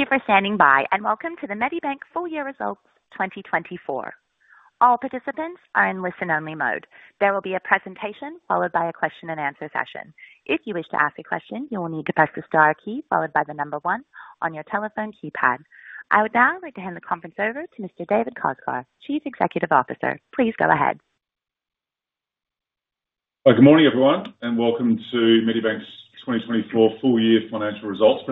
Thank you for standing by, and welcome to the Medibank Full Year Results 2024. All participants are in listen-only mode. There will be a presentation, followed by a question-and-answer session. If you wish to ask a question, you will need to press the star key followed by the number one on your telephone keypad. I would now like to hand the conference over to Mr. David Koczkar, Chief Executive Officer. Please go ahead. Good morning, everyone, and welcome to Medibank's 2024 full year financial results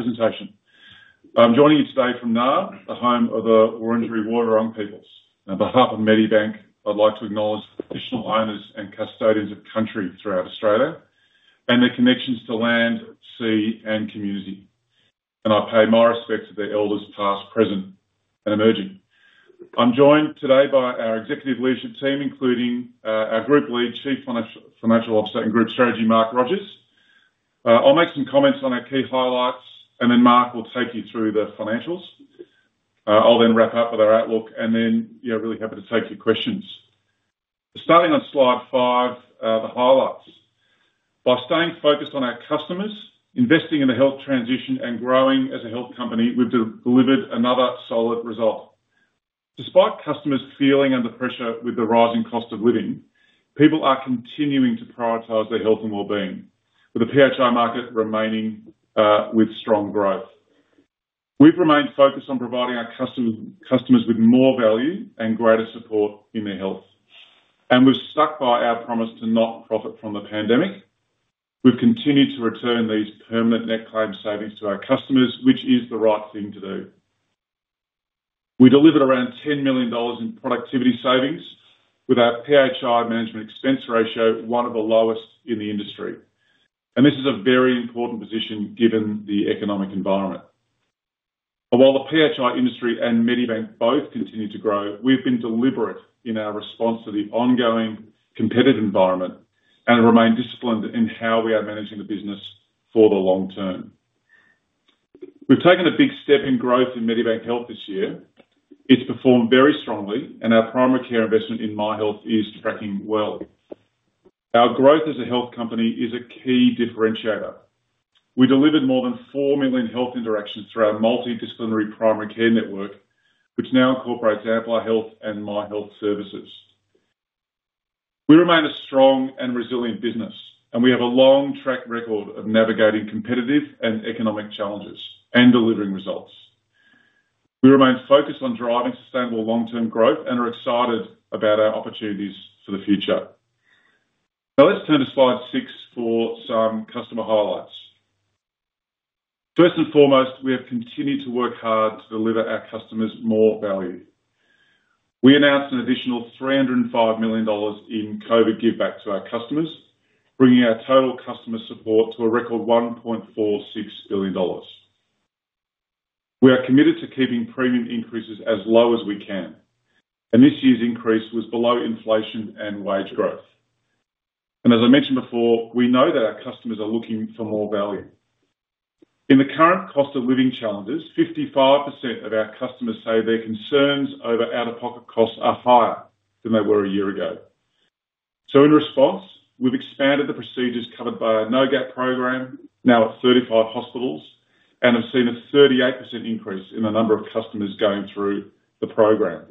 presentation. I'm joining you today from Naarm, the home of the Wurundjeri Woi-wurrung peoples. On behalf of Medibank, I'd like to acknowledge the traditional owners and custodians of country throughout Australia and their connections to land, sea, and community. I pay my respects to their elders, past, present, and emerging. I'm joined today by our executive leadership team, including our Group Lead, Chief Financial Officer, and Group Strategy, Mark Rogers. I'll make some comments on our key highlights, and then Mark will take you through the financials. I'll then wrap up with our outlook, and then really happy to take your questions. Starting on slide five, the highlights. By staying focused on our customers, investing in the health transition, and growing as a health company, we've delivered another solid result. Despite customers feeling under pressure with the rising cost of living, people are continuing to prioritize their health and well-being, with the PHI market remaining with strong growth. We've remained focused on providing our customers with more value and greater support in their health, and we've stuck by our promise to not profit from the pandemic. We've continued to return these permanent net claim savings to our customers, which is the right thing to do. We delivered around 10 million dollars in productivity savings with our PHI management expense ratio, one of the lowest in the industry, and this is a very important position given the economic environment. While the PHI industry and Medibank both continue to grow, we've been deliberate in our response to the ongoing competitive environment and remain disciplined in how we are managing the business for the long term. We've taken a big step in growth in Medibank Health this year. It's performed very strongly, and our primary care investment in Myhealth is tracking well. Our growth as a health company is a key differentiator. We delivered more than four million health interactions through our multidisciplinary primary care network, which now incorporates Amplify Health and Myhealth services. We remain a strong and resilient business, and we have a long track record of navigating competitive and economic challenges and delivering results. We remain focused on driving sustainable long-term growth and are excited about our opportunities for the future. Now, let's turn to slide six for some customer highlights. First and foremost, we have continued to work hard to deliver our customers more value. We announced an additional 305 million dollars in COVID give back to our customers, bringing our total customer support to a record 1.46 billion dollars. We are committed to keeping premium increases as low as we can, and this year's increase was below inflation and wage growth, and as I mentioned before, we know that our customers are looking for more value. In the current cost of living challenges, 55% of our customers say their concerns over out-of-pocket costs are higher than they were a year ago, so in response, we've expanded the procedures covered by our No Gap program, now at 35 hospitals, and have seen a 38% increase in the number of customers going through the program.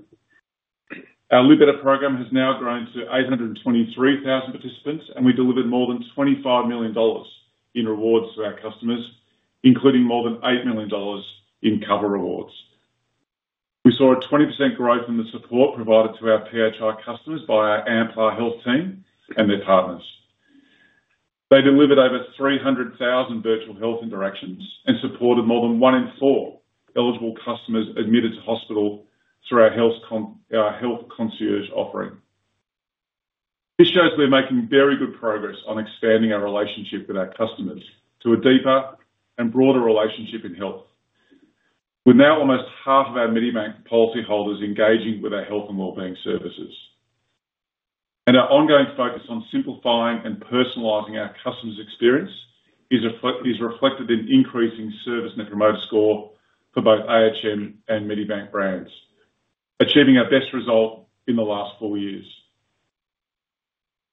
Our Live Better program has now grown to 823,000 participants, and we delivered more than 25 million dollars in rewards to our customers, including more than 8 million dollars in cover rewards. We saw a 20% growth in the support provided to our PHI customers by our Amplify Health team and their partners. They delivered over 300,000 virtual health interactions and supported more than one in four eligible customers admitted to hospital through our Health Concierge offering. This shows we're making very good progress on expanding our relationship with our customers to a deeper and broader relationship in health, with now almost half of our Medibank policyholders engaging with our health and well-being services. And our ongoing focus on simplifying and personalizing our customers' experience is reflected in increasing service Net Promoter Score for both ahm and Medibank brands, achieving our best result in the last four years.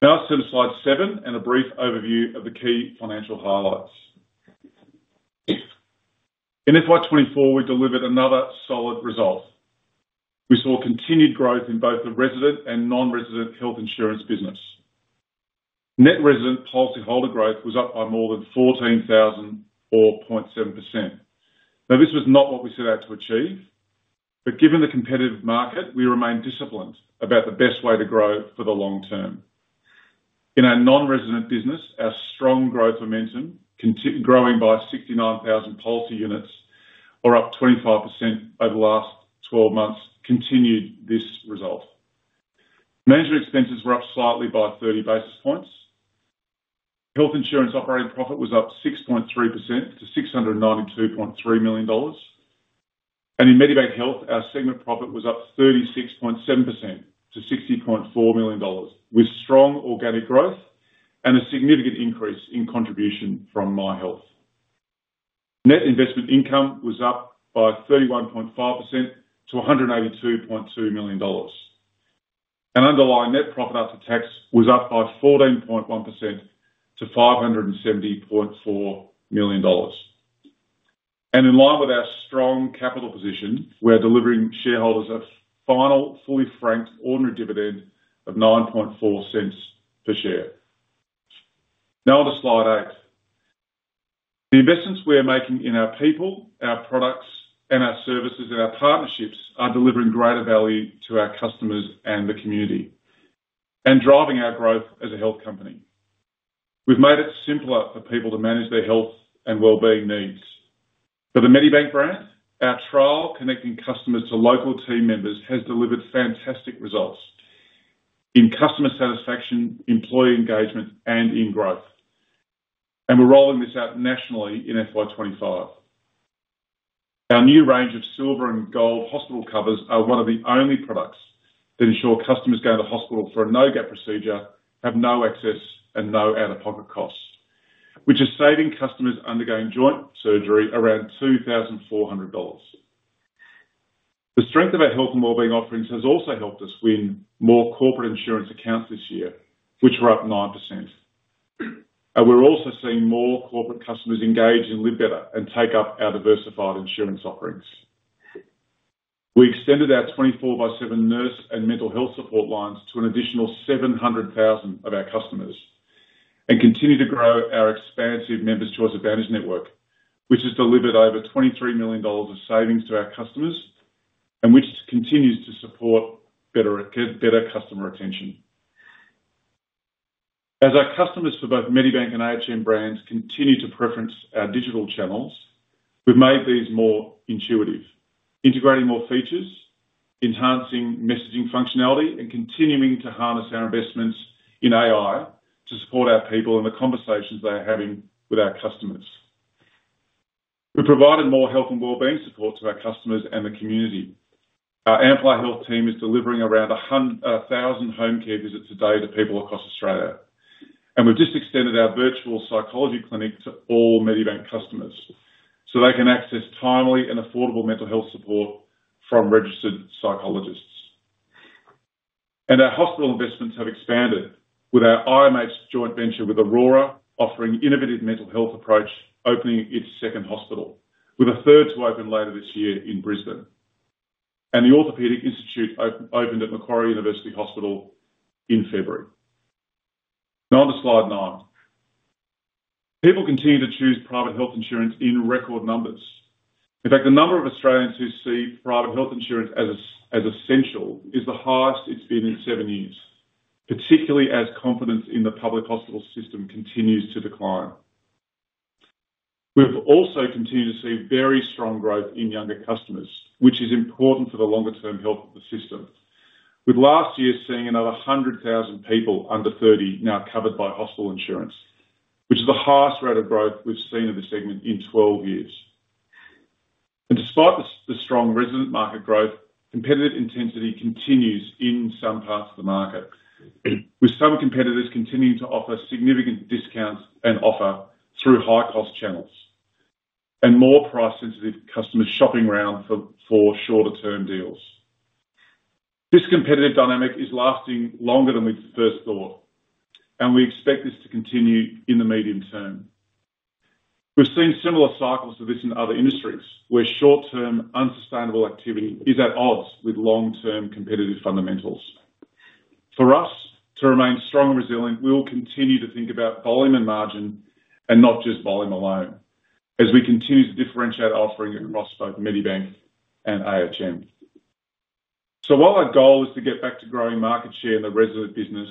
Now to slide seven and a brief overview of the key financial highlights. In FY 2024, we delivered another solid result. We saw continued growth in both the resident and non-resident health insurance business. Net resident policyholder growth was up by more than 14,000 or 0.7%. Now, this was not what we set out to achieve, but given the competitive market, we remain disciplined about the best way to grow for the long term. In our non-resident business, our strong growth momentum continued growing by 69,000 policy units or up 25% over the last 12 months, continued this result. Management expenses were up slightly by 30 basis points. Health insurance operating profit was up 6.3% to 692.3 million dollars. And in Medibank Health, our segment profit was up 36.7% to 60.4 million dollars, with strong organic growth and a significant increase in contribution from Myhealth. Net investment income was up by 31.5% to 182.2 million dollars, and underlying net profit after tax was up by 14.1% to 570.4 million dollars. And in line with our strong capital position, we are delivering shareholders a final fully franked ordinary dividend of 0.094 per share. Now on to slide eight. The investments we are making in our people, our products, and our services, and our partnerships are delivering greater value to our customers and the community, and driving our growth as a health company. We've made it simpler for people to manage their health and well-being needs. For the Medibank brand, our trial connecting customers to local team members has delivered fantastic results in customer satisfaction, employee engagement, and in growth, and we're rolling this out nationally in FY 2025. Our new range of silver and gold hospital covers are one of the only products that ensure customers going to hospital for a no-gap procedure, have no excess and no out-of-pocket costs, which is saving customers undergoing joint surgery around 2,400 dollars. The strength of our health and well-being offerings has also helped us win more corporate insurance accounts this year, which were up 9%. And we're also seeing more corporate customers engage in Live Better and take up our diversified insurance offerings. We extended our twenty-four by seven nurse and mental health support lines to an additional 700,000 of our customers, and continue to grow our expansive Members' Choice Advantage network, which has delivered over 23 million dollars of savings to our customers and which continues to support better customer retention. As our customers for both Medibank and ahm brands continue to preference our digital channels, we've made these more intuitive, integrating more features, enhancing messaging functionality, and continuing to harness our investments in AI to support our people in the conversations they are having with our customers. We've provided more health and well-being support to our customers and the community. Our Amplify Health team is delivering around a thousand home care visits a day to people across Australia. And we've just extended our virtual psychology clinic to all Medibank customers, so they can access timely and affordable mental health support from registered psychologists. And our hospital investments have expanded, with our ahm joint venture with Aurora offering innovative mental health approach, opening its second hospital, with a third to open later this year in Brisbane. And the Orthopaedic Institute opened at Macquarie University Hospital in February. Now on to slide nine. People continue to choose private health insurance in record numbers. In fact, the number of Australians who see private health insurance as essential is the highest it's been in seven years, particularly as confidence in the public hospital system continues to decline. We've also continued to see very strong growth in younger customers, which is important for the longer-term health of the system. With last year seeing another 100,000 people under 30 now covered by hospital insurance, which is the highest rate of growth we've seen in the segment in 12 years. And despite the strong resident market growth, competitive intensity continues in some parts of the market, with some competitors continuing to offer significant discounts and offer through high-cost channels, and more price-sensitive customers shopping around for shorter-term deals. This competitive dynamic is lasting longer than we first thought, and we expect this to continue in the medium term. We've seen similar cycles to this in other industries, where short-term unsustainable activity is at odds with long-term competitive fundamentals. For us, to remain strong and resilient, we will continue to think about volume and margin, and not just volume alone, as we continue to differentiate offering across both Medibank and ahm. So while our goal is to get back to growing market share in the retail business,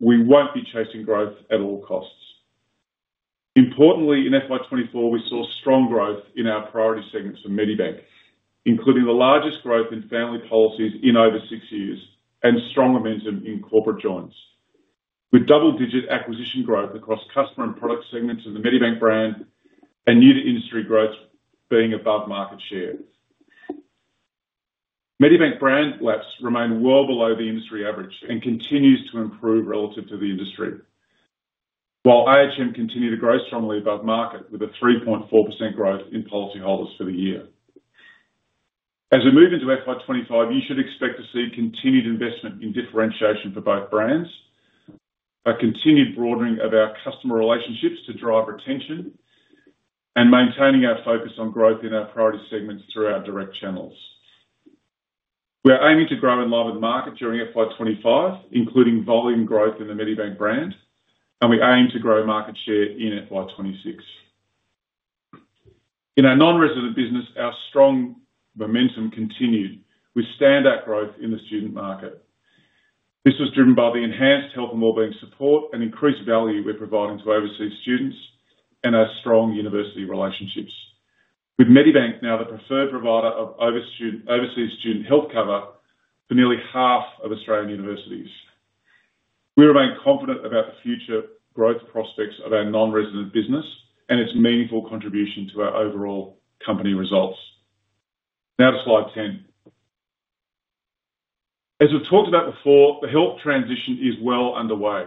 we won't be chasing growth at all costs. Importantly, in FY 2024, we saw strong growth in our priority segments for Medibank, including the largest growth in family policies in over six years and strong momentum in corporate joins. With double-digit acquisition growth across customer and product segments of the Medibank brand, and new to industry growth being above market share. Medibank brand lapses remain well below the industry average and continues to improve relative to the industry. While ahm continued to grow strongly above market, with a 3.4% growth in policyholders for the year. As we move into FY 2025, you should expect to see continued investment in differentiation for both brands, a continued broadening of our customer relationships to drive retention, and maintaining our focus on growth in our priority segments through our direct channels. We are aiming to grow in line with the market during FY 2025, including volume growth in the Medibank brand, and we aim to grow market share in FY 2026. In our non-resident business, our strong momentum continued with standout growth in the student market. This was driven by the enhanced health and well-being support and increased value we're providing to overseas students and our strong university relationships. With Medibank now the preferred provider of overseas student health cover for nearly half of Australian universities. We remain confident about the future growth prospects of our non-resident business and its meaningful contribution to our overall company results. Now to slide ten. As we've talked about before, the health transition is well underway.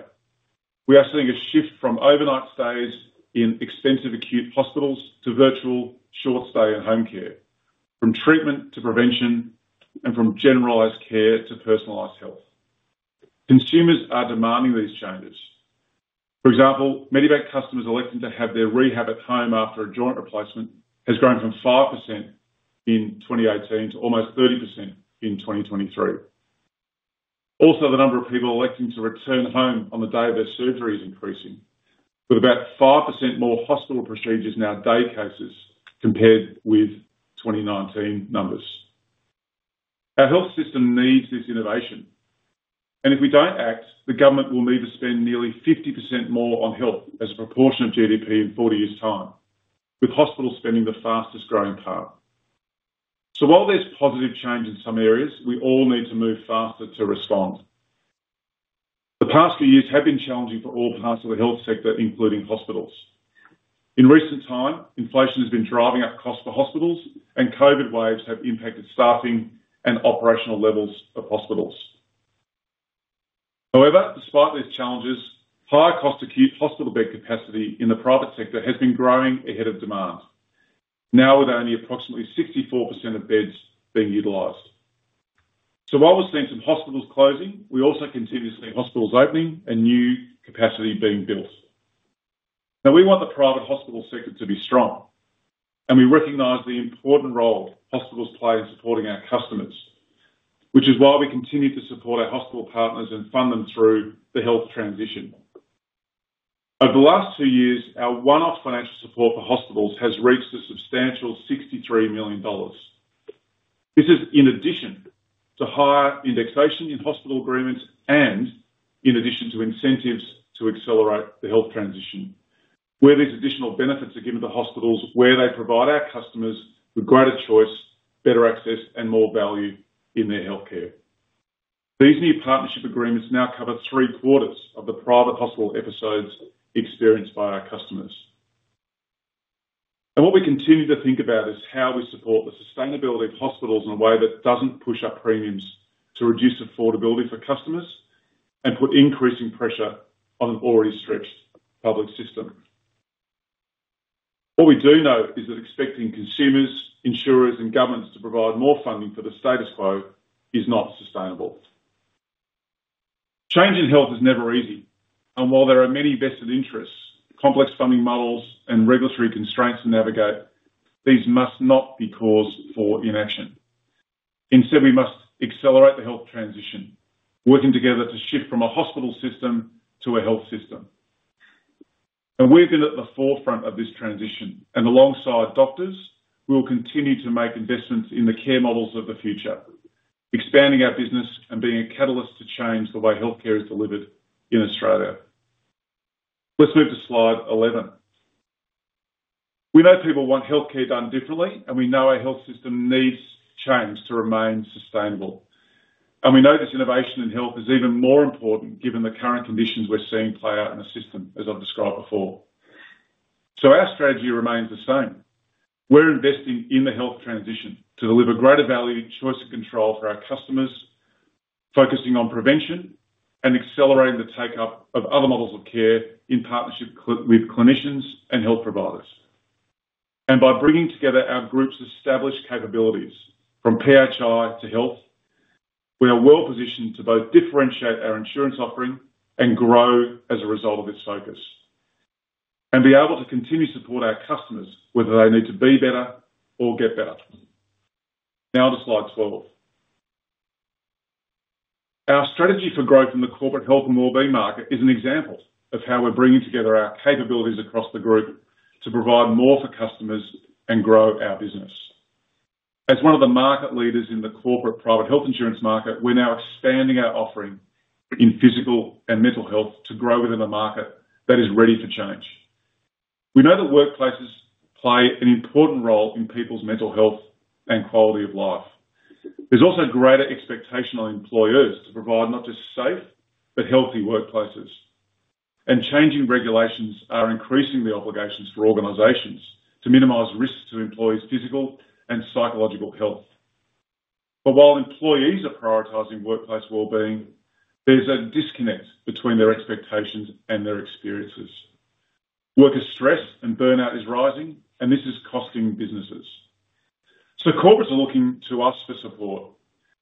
We are seeing a shift from overnight stays in extensive acute hospitals to virtual short stay and home care, from treatment to prevention, and from generalized care to personalized health. Consumers are demanding these changes. For example, Medibank customers electing to have their rehab at home after a joint replacement has grown from 5% in 2018 to almost 30% in 2023. Also, the number of people electing to return home on the day of their surgery is increasing, with about 5% more hospital procedures now day cases compared with 2019 numbers. Our health system needs this innovation, and if we don't act, the government will need to spend nearly 50% more on health as a proportion of GDP in 40 years' time, with hospital spending the fastest growing part. So while there's positive change in some areas, we all need to move faster to respond. The past few years have been challenging for all parts of the health sector, including hospitals. In recent time, inflation has been driving up costs for hospitals, and COVID waves have impacted staffing and operational levels of hospitals. However, despite these challenges, higher cost acute hospital bed capacity in the private sector has been growing ahead of demand, now with only approximately 64% of beds being utilized. So while we're seeing some hospitals closing, we also continue to see hospitals opening and new capacity being built. Now, we want the private hospital sector to be strong, and we recognize the important role hospitals play in supporting our customers, which is why we continue to support our hospital partners and fund them through the health transition. Over the last two years, our one-off financial support for hospitals has reached a substantial 63 million dollars. This is in addition to higher indexation in hospital agreements and in addition to incentives to accelerate the health transition, where these additional benefits are given to hospitals, where they provide our customers with greater choice, better access, and more value in their healthcare. These new partnership agreements now cover 3/4s of the private hospital episodes experienced by our customers. And what we continue to think about is how we support the sustainability of hospitals in a way that doesn't push up premiums to reduce affordability for customers and put increasing pressure on an already stretched public system. What we do know is that expecting consumers, insurers, and governments to provide more funding for the status quo is not sustainable. Change in health is never easy, and while there are many vested interests, complex funding models, and regulatory constraints to navigate, these must not be cause for inaction. Instead, we must accelerate the health transition, working together to shift from a hospital system to a health system. And we've been at the forefront of this transition, and alongside doctors, we will continue to make investments in the care models of the future, expanding our business and being a catalyst to change the way healthcare is delivered in Australia. Let's move to slide eleven. We know people want healthcare done differently, and we know our health system needs change to remain sustainable. And we know this innovation in health is even more important given the current conditions we're seeing play out in the system, as I've described before. So our strategy remains the same. We're investing in the health transition to deliver greater value, choice, and control for our customers, focusing on prevention and accelerating the take-up of other models of care in partnership with clinicians and health providers. And by bringing together our group's established capabilities from PHI to health, we are well positioned to both differentiate our insurance offering and grow as a result of its focus, and be able to continue to support our customers, whether they need to be better or get better. Now to slide twelve. Our strategy for growth in the corporate health and well-being market is an example of how we're bringing together our capabilities across the group to provide more for customers and grow our business. As one of the market leaders in the corporate private health insurance market, we're now expanding our offering in physical and mental health to grow within a market that is ready to change. We know that workplaces play an important role in people's mental health and quality of life. There's also greater expectation on employers to provide not just safe, but healthy workplaces. And changing regulations are increasing the obligations for organizations to minimize risks to employees' physical and psychological health. But while employees are prioritizing workplace well-being, there's a disconnect between their expectations and their experiences. Worker stress and burnout is rising, and this is costing businesses. Corporates are looking to us for support,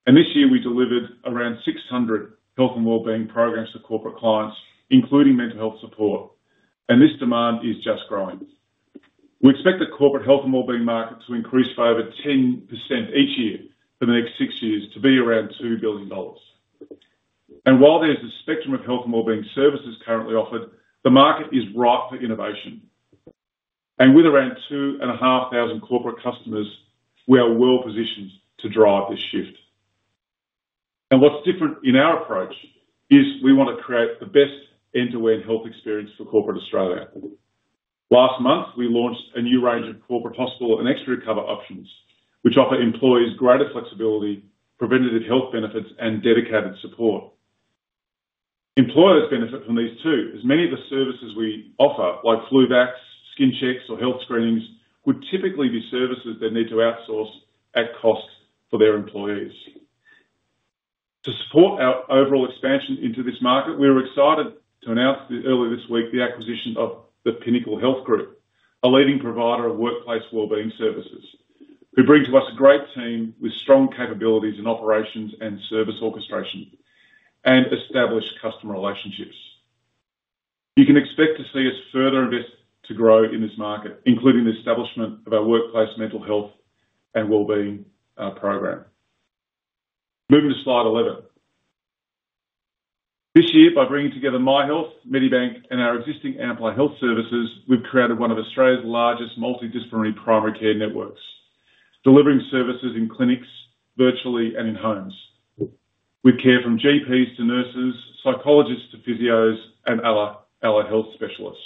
and this year we delivered around 600 health and wellbeing programs to corporate clients, including mental health support, and this demand is just growing. We expect the corporate health and wellbeing market to increase by over 10% each year for the next six years to be around 2 billion dollars. While there's a spectrum of health and wellbeing services currently offered, the market is ripe for innovation. With around 2,500 corporate customers, we are well positioned to drive this shift. What's different in our approach is we want to create the best end-to-end health experience for corporate Australia. Last month, we launched a new range of corporate hospital and extra cover options, which offer employees greater flexibility, preventative health benefits, and dedicated support. Employers benefit from these, too, as many of the services we offer, like flu vax, skin checks, or health screenings, would typically be services they'd need to outsource at cost for their employees. To support our overall expansion into this market, we are excited to announce earlier this week, the acquisition of the Pinnacle Health Group, a leading provider of workplace well-being services, who bring to us a great team with strong capabilities in operations and service orchestration and established customer relationships. You can expect to see us further invest to grow in this market, including the establishment of our workplace mental health and well-being program. Moving to slide eleven. This year, by bringing together Myhealth, Medibank, and our existing Amplify Health services, we've created one of Australia's largest multidisciplinary primary care networks, delivering services in clinics, virtually, and in homes. With care from GPs to nurses, psychologists to physios, and other health specialists.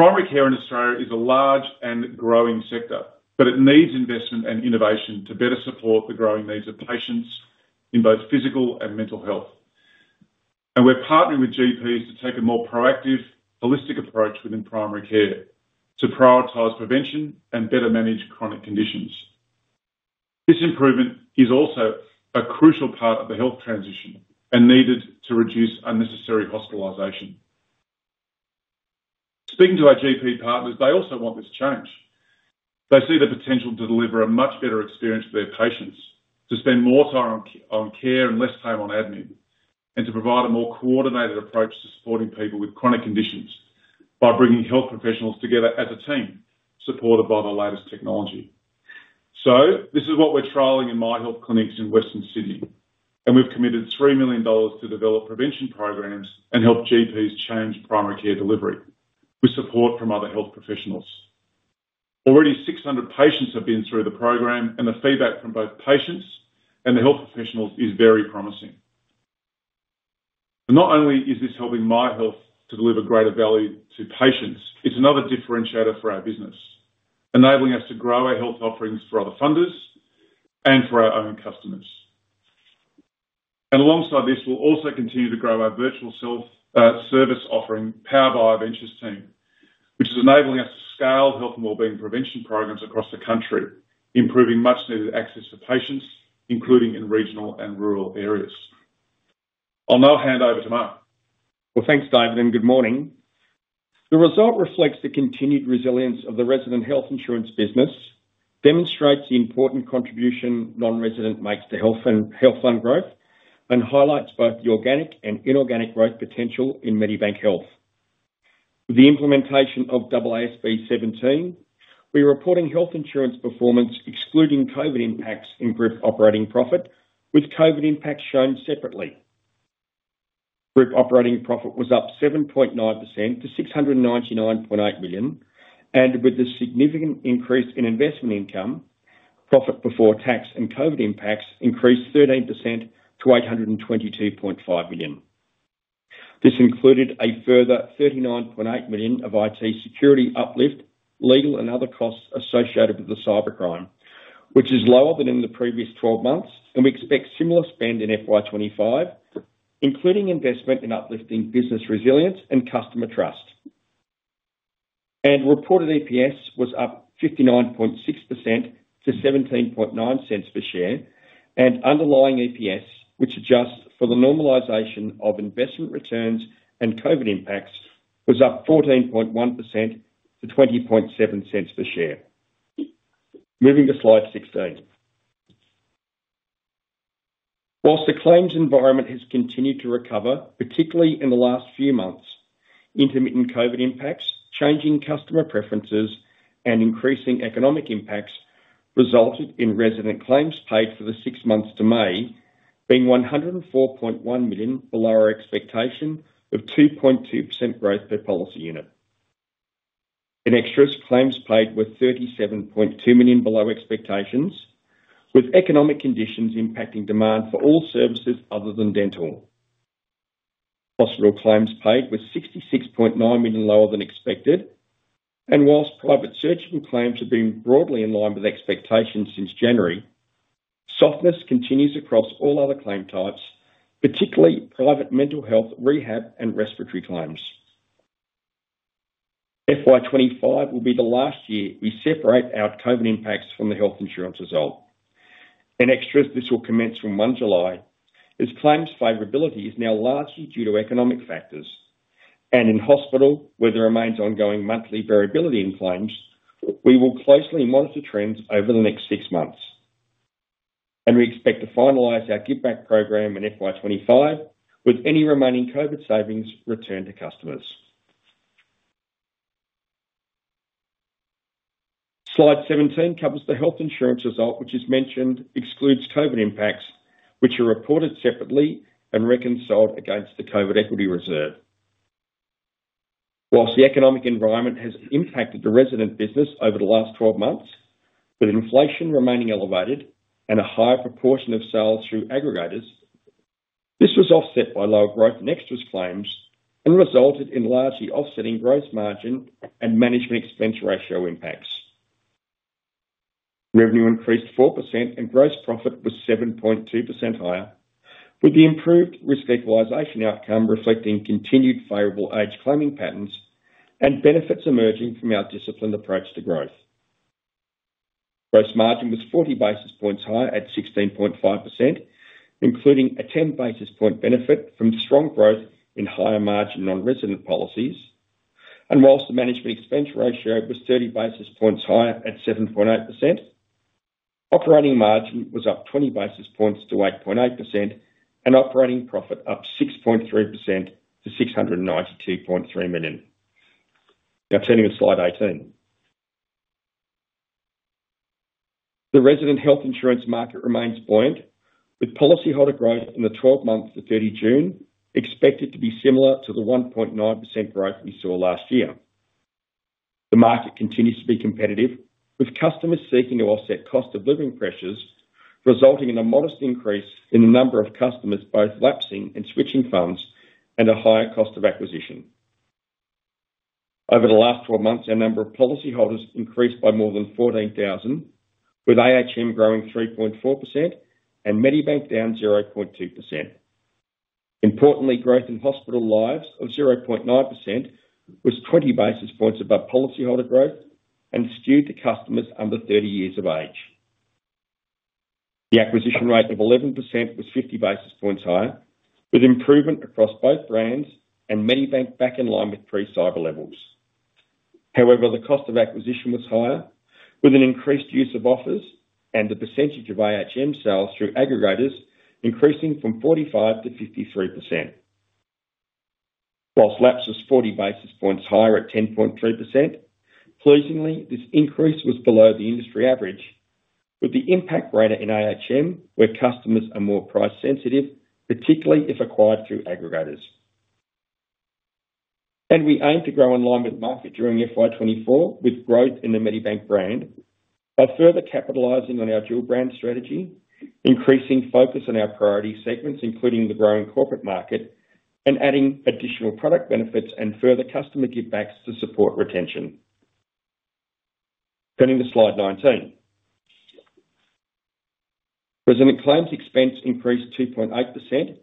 Primary care in Australia is a large and growing sector, but it needs investment and innovation to better support the growing needs of patients in both physical and mental health. We're partnering with GPs to take a more proactive, holistic approach within primary care, to prioritize prevention and better manage chronic conditions. This improvement is also a crucial part of the health transition and needed to reduce unnecessary hospitalization. Speaking to our GP partners, they also want this change. They see the potential to deliver a much better experience for their patients, to spend more time on care and less time on admin, and to provide a more coordinated approach to supporting people with chronic conditions by bringing health professionals together as a team, supported by the latest technology. This is what we're trialing in Myhealth clinics in Western Sydney, and we've committed 3 million dollars to develop prevention programs and help GPs change primary care delivery with support from other health professionals. Already, 600 patients have been through the program, and the feedback from both patients and the health professionals is very promising. Not only is this helping Myhealth to deliver greater value to patients, it's another differentiator for our business, enabling us to grow our health offerings for other funders and for our own customers. Alongside this, we'll also continue to grow our virtual self-service offering, powered by our ventures team, which is enabling us to scale health and wellbeing prevention programs across the country, improving much-needed access to patients, including in regional and rural areas. I'll now hand over to Mark. Thanks, David, and good morning. The result reflects the continued resilience of the Australian health insurance business, demonstrates the important contribution non-insurance makes to health solutions and fund growth, and highlights both the organic and inorganic growth potential in Medibank Health. With the implementation of AASB 17, we are reporting health insurance performance excluding COVID impacts in group operating profit, with COVID impacts shown separately. Group operating profit was up 7.9% to 699.8 million, and with a significant increase in investment income, profit before tax and COVID impacts increased 13% to 822.5 million. This included a further 39.8 million of IT security uplift, legal and other costs associated with the cybercrime, which is lower than in the previous twelve months, and we expect similar spend in FY 2025, including investment in uplifting business resilience and customer trust. And reported EPS was up 59.6% to 17.9 cents per share, and underlying EPS, which adjusts for the normalization of investment returns and COVID impacts, was up 14.1% to 20.7 cents per share. Moving to slide 16. While the claims environment has continued to recover, particularly in the last few months, intermittent COVID impacts, changing customer preferences, and increasing economic impacts resulted in resident claims paid for the six months to May, being 104.1 million below our expectation of 2.2% growth per policy unit. In extras, claims paid were 37.2 million below expectations, with economic conditions impacting demand for all services other than dental. Hospital claims paid were 66.9 million lower than expected, and while private surgical claims have been broadly in line with expectations since January, softness continues across all other claim types, particularly private mental health, rehab, and respiratory claims. FY 2025 will be the last year we separate our COVID impacts from the health insurance result. In extras, this will commence from 1 July, as claims favorability is now largely due to economic factors, and in hospital, where there remains ongoing monthly variability in claims, we will closely monitor trends over the next six months, and we expect to finalize our giveback program in FY 2025, with any remaining COVID savings returned to customers. Slide 17 covers the health insurance result, which, as mentioned, excludes COVID impacts, which are reported separately and reconciled against the COVID equity reserve. While the economic environment has impacted the resident business over the last 12 months, with inflation remaining elevated and a higher proportion of sales through aggregators, this was offset by lower growth in extras claims and resulted in largely offsetting gross margin and management expense ratio impacts. Revenue increased 4% and gross profit was 7.2% higher. With the improved Risk Equalisation outcome reflecting continued favorable age claiming patterns and benefits emerging from our disciplined approach to growth. Gross margin was 40 basis points higher at 16.5%, including a 10 basis point benefit from strong growth in higher margin nonresident policies. While the management expense ratio was 30 basis points higher at 7.8%, operating margin was up 20 basis points to 8.8%, and operating profit up 6.3% to 692.3 million. Now turning to slide 18. The private health insurance market remains buoyant, with policyholder growth in the 12 months to 30 June expected to be similar to the 1.9% growth we saw last year. The market continues to be competitive, with customers seeking to offset cost-of-living pressures, resulting in a modest increase in the number of customers both lapsing and switching funds, and a higher cost of acquisition. Over the last 12 months, our number of policyholders increased by more than 14,000, with ahm growing 3.4% and Medibank down 0.2%. Importantly, growth in hospital lives of 0.9% was 20 basis points above policyholder growth and skewed to customers under 30 years of age. The acquisition rate of 11% was 50 basis points higher, with improvement across both brands and Medibank back in line with pre-cyber levels. However, the cost of acquisition was higher, with an increased use of offers and the percentage of ahm sales through aggregators increasing from 45%-53%. Whilst lapse was 40 basis points higher at 10.3%, pleasingly, this increase was below the industry average, with the impact greater in ahm, where customers are more price sensitive, particularly if acquired through aggregators. We aim to grow in line with market during FY 2024, with growth in the Medibank brand by further capitalizing on our dual brand strategy, increasing focus on our priority segments, including the growing corporate market, and adding additional product benefits and further customer givebacks to support retention. Turning to slide 19. Resident claims expense increased 2.8%,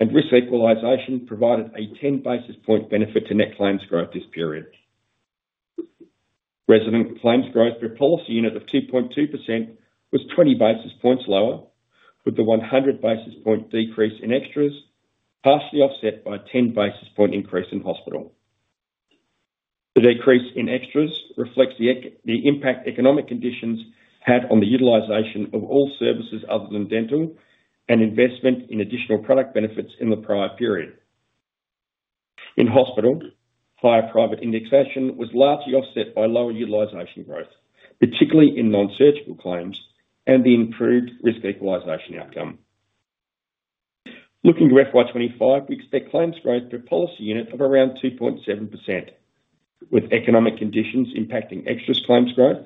and Risk Equalisation provided a 10 basis point benefit to net claims growth this period. Resident claims growth per policy unit of 2.2% was 20 basis points lower, with the 100 basis point decrease in extras partially offset by a 10 basis point increase in hospital. The decrease in extras reflects the impact economic conditions had on the utilization of all services other than dental and investment in additional product benefits in the prior period. In hospital, higher private indexation was largely offset by lower utilization growth, particularly in nonsurgical claims and the improved Risk Equalisation outcome. Looking to FY 2025, we expect claims growth per policy unit of around 2.7%, with economic conditions impacting extras claims growth,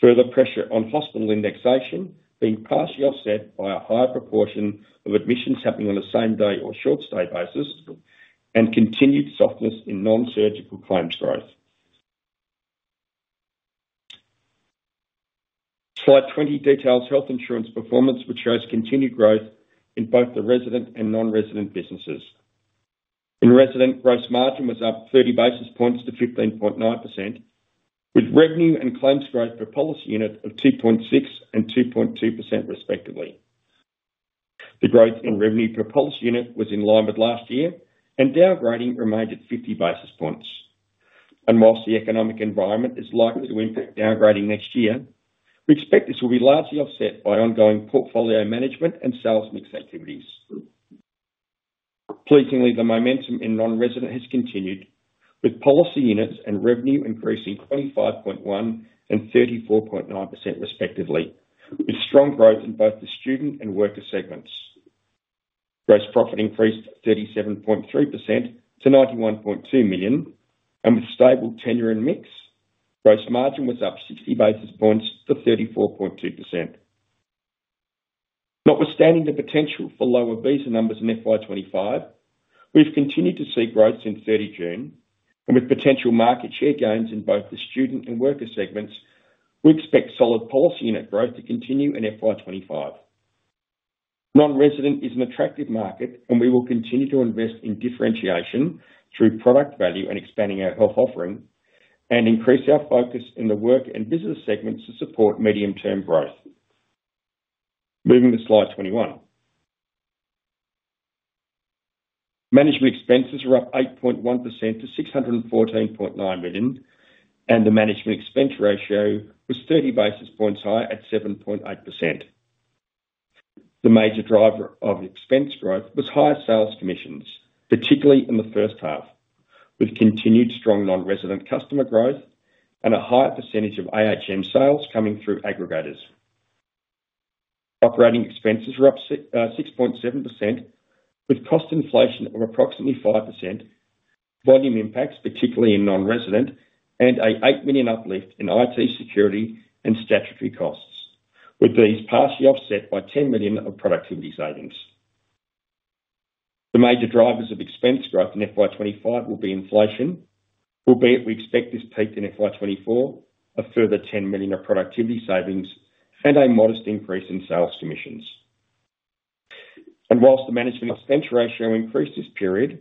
further pressure on hospital indexation being partially offset by a higher proportion of admissions happening on the same-day or short-stay basis, and continued softness in nonsurgical claims growth. Slide 20 details health insurance performance, which shows continued growth in both the resident and nonresident businesses. In resident, gross margin was up 30 basis points to 15.9%, with revenue and claims growth per policy unit of 2.6% and 2.2%, respectively. The growth in revenue per policy unit was in line with last year, and downgrading remained at 50 basis points. While the economic environment is likely to impact downgrading next year, we expect this will be largely offset by ongoing portfolio management and sales mix activities. Pleasingly, the momentum in non-resident has continued, with policy units and revenue increasing 25.1% and 34.9%, respectively, with strong growth in both the student and worker segments. Gross profit increased 37.3% to 91.2 million, and with stable tenure and mix, gross margin was up 60 basis points to 34.2%. Notwithstanding the potential for lower visa numbers in FY 2025, we've continued to see growth since 30 June, and with potential market share gains in both the student and worker segments, we expect solid policy unit growth to continue in FY 2025. Non-resident is an attractive market, and we will continue to invest in differentiation through product value and expanding our health offering and increase our focus in the work and business segments to support medium-term growth. Moving to slide 21. Management expenses were up 8.1% to 614.9 million, and the management expense ratio was thirty basis points higher at 7.8%. The major driver of expense growth was higher sales commissions, particularly in the first half, with continued strong non-resident customer growth and a higher percentage of ahm sales coming through aggregators. Operating expenses were up 6.7%, with cost inflation of approximately 5%, volume impacts, particularly in non-resident, and an 8 million uplift in IT, security, and statutory costs, with these partially offset by 10 million of productivity savings. The major drivers of expense growth in FY 2025 will be inflation, albeit we expect this peak in FY 2024, a further 10 million of productivity savings, and a modest increase in sales commissions, and whilst the management expense ratio increased this period,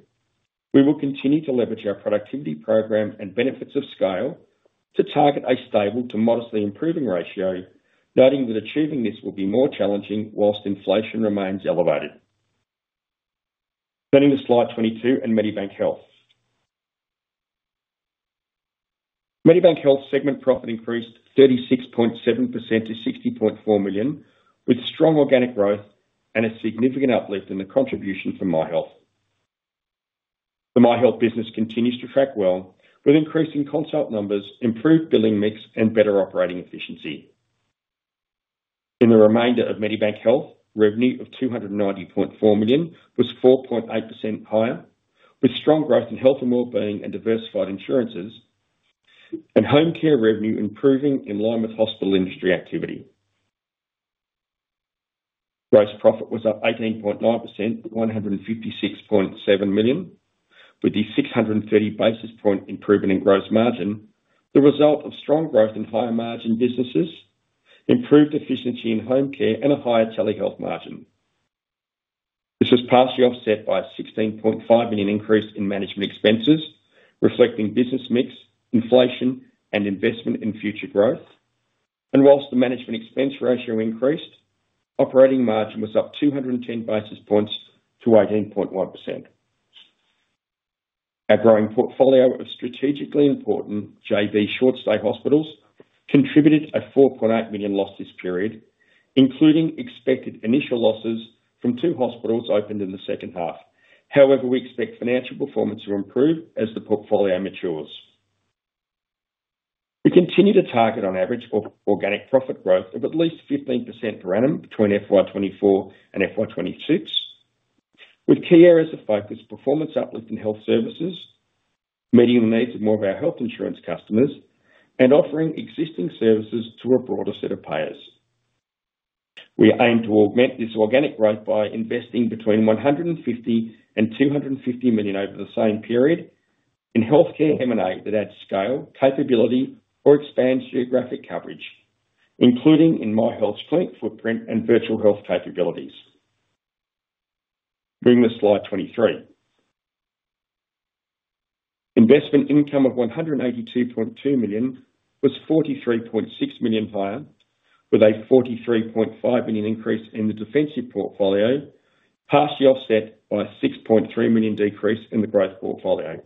we will continue to leverage our productivity program and benefits of scale to target a stable to modestly improving ratio, noting that achieving this will be more challenging whilst inflation remains elevated. Turning to slide 22 and Medibank Health. Medibank Health segment profit increased 36.7% to 60.4 million, with strong organic growth and a significant uplift in the contribution from Myhealth. The Myhealth business continues to track well, with increasing consult numbers, improved billing mix, and better operating efficiency. In the remainder of Medibank Health, revenue of 290.4 million was 4.8% higher, with strong growth in health and well-being and diversified insurances, and home care revenue improving in line with hospital industry activity. Gross profit was up 18.9% to 156.7 million, with the 630 basis point improvement in gross margin, the result of strong growth in higher margin businesses, improved efficiency in home care, and a higher telehealth margin. This was partially offset by a 16.5 million increase in management expenses, reflecting business mix, inflation, and investment in future growth, and whilst the management expense ratio increased, operating margin was up 210 basis points to 18.1%. Our growing portfolio of strategically important JV short-stay hospitals contributed an 4.8 million loss this period, including expected initial losses from two hospitals opened in the second half. However, we expect financial performance to improve as the portfolio matures. We continue to target, on average, organic profit growth of at least 15% per annum between FY 2024 and FY 2026, with key areas of focus, performance uplift in health services, meeting the needs of more of our health insurance customers, and offering existing services to a broader set of payers. We aim to augment this organic growth by investing between 150 million and 250 million over the same period in healthcare M&A that adds scale, capability, or expands geographic coverage, including in Myhealth's clinic footprint and virtual health capabilities. Moving to slide 23. Investment income of 182.2 million was 43.6 million higher, with a 43.5 million increase in the defensive portfolio, partially offset by a 6.3 million decrease in the growth portfolio.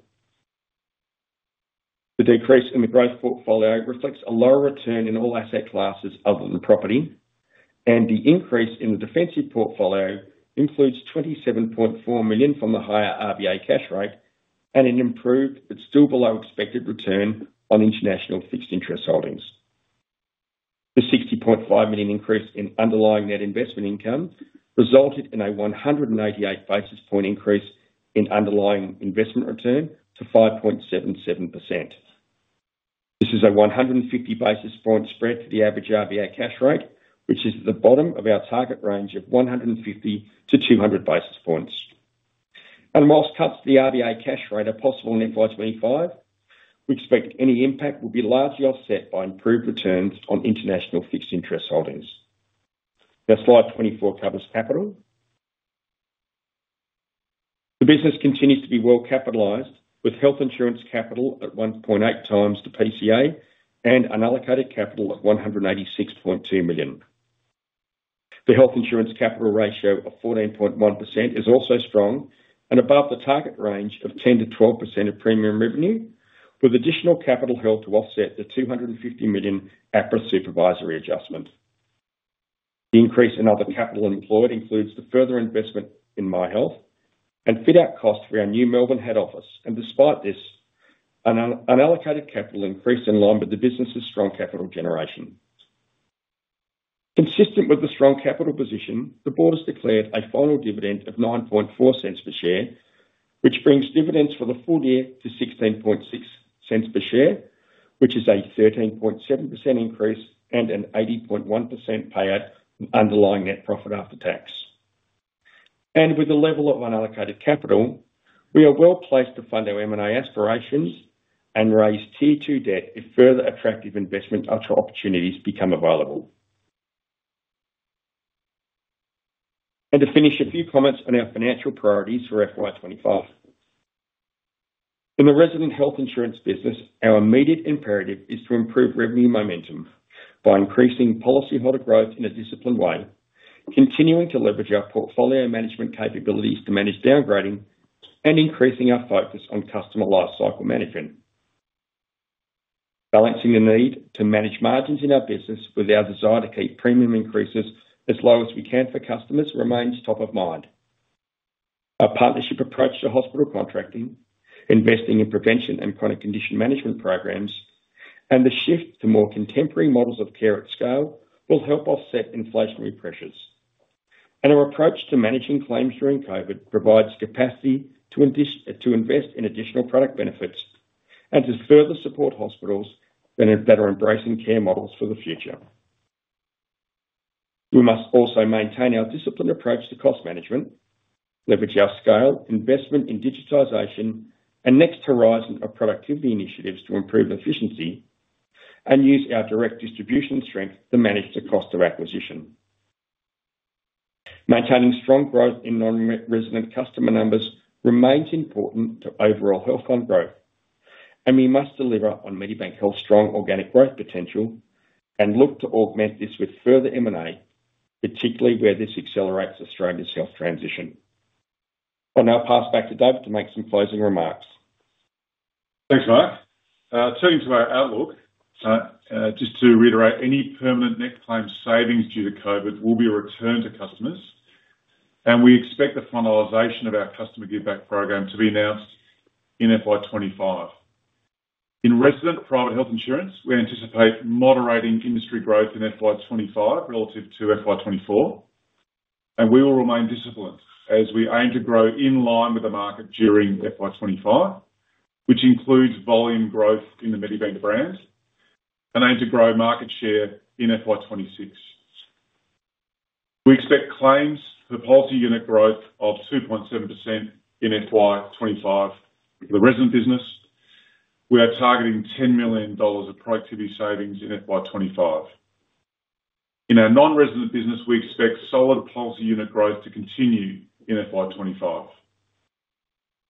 The decrease in the growth portfolio reflects a lower return in all asset classes other than property, and the increase in the defensive portfolio includes 27.4 million from the higher RBA cash rate and an improved, but still below expected return on international fixed interest holdings. The 60.5 million increase in underlying net investment income resulted in a 188 basis point increase in underlying investment return to 5.77%. This is a 150 basis point spread to the average RBA cash rate, which is the bottom of our target range of 150-200 basis points. While cuts to the RBA cash rate are possible in FY 2025, we expect any impact will be largely offset by improved returns on international fixed interest holdings. Now, slide 24 covers capital. The business continues to be well capitalized, with health insurance capital at 1.8x the PCA and unallocated capital of 186.2 million. The health insurance capital ratio of 14.1% is also strong and above the target range of 10%-12% of premium revenue, with additional capital held to offset the 250 million APRA supervisory adjustment. The increase in other capital employed includes the further investment in Myhealth and fit-out costs for our new Melbourne head office. Despite this, unallocated capital increased in line with the business's strong capital generation. Consistent with the strong capital position, the board has declared a final dividend of 0.094 per share, which brings dividends for the full year to 0.166 per share, which is a 13.7% increase and an 80.1% payout from underlying net profit after tax. With the level of unallocated capital, we are well placed to fund our M&A aspirations and raise Tier 2 debt if further attractive investment opportunities become available. To finish, a few comments on our financial priorities for FY 2025. In the Retail health insurance business, our immediate imperative is to improve revenue momentum by increasing policyholder growth in a disciplined way, continuing to leverage our portfolio management capabilities to manage downgrading, and increasing our focus on customer lifecycle management. Balancing the need to manage margins in our business with our desire to keep premium increases as low as we can for customers remains top of mind. Our partnership approach to hospital contracting, investing in prevention and chronic condition management programs, and the shift to more contemporary models of care at scale will help offset inflationary pressures, and our approach to managing claims during COVID provides capacity to invest in additional product benefits and to further support hospitals that are embracing care models for the future. We must also maintain our disciplined approach to cost management, leverage our scale, investment in digitization, and next horizon of productivity initiatives to improve efficiency, and use our direct distribution strength to manage the cost of acquisition. Maintaining strong growth in non-resident customer numbers remains important to overall health fund growth, and we must deliver on Medibank Health's strong organic growth potential and look to augment this with further M&A, particularly where this accelerates Australia's health transition. I'll now pass back to David to make some closing remarks. Thanks, Mark. Turning to our outlook, just to reiterate, any permanent net claims savings due to COVID will be returned to customers, and we expect the finalization of our customer giveback program to be announced in FY 2025. In resident private health insurance, we anticipate moderating industry growth in FY 2025 relative to FY 2024, and we will remain disciplined as we aim to grow in line with the market during FY 2025, which includes volume growth in the Medibank brand and aim to grow market share in FY 2026. We expect claims for the policy unit growth of 2.7% in FY 2025. For the resident business, we are targeting 10 million dollars of productivity savings in FY 2025. In our non-resident business, we expect solid policy unit growth to continue in FY 2025.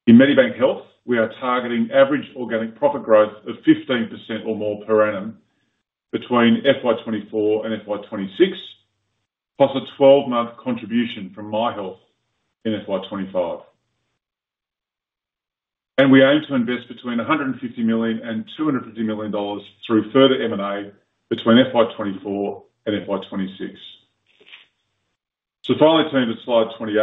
In Medibank Health, we are targeting average organic profit growth of 15% or more per annum between FY 2024 and FY 2026, plus a 12-month contribution from Myhealth in FY 2025. And we aim to invest between 100 million and 250 million dollars through further M&A between FY 2024 and FY 2026. So finally, turning to slide 28.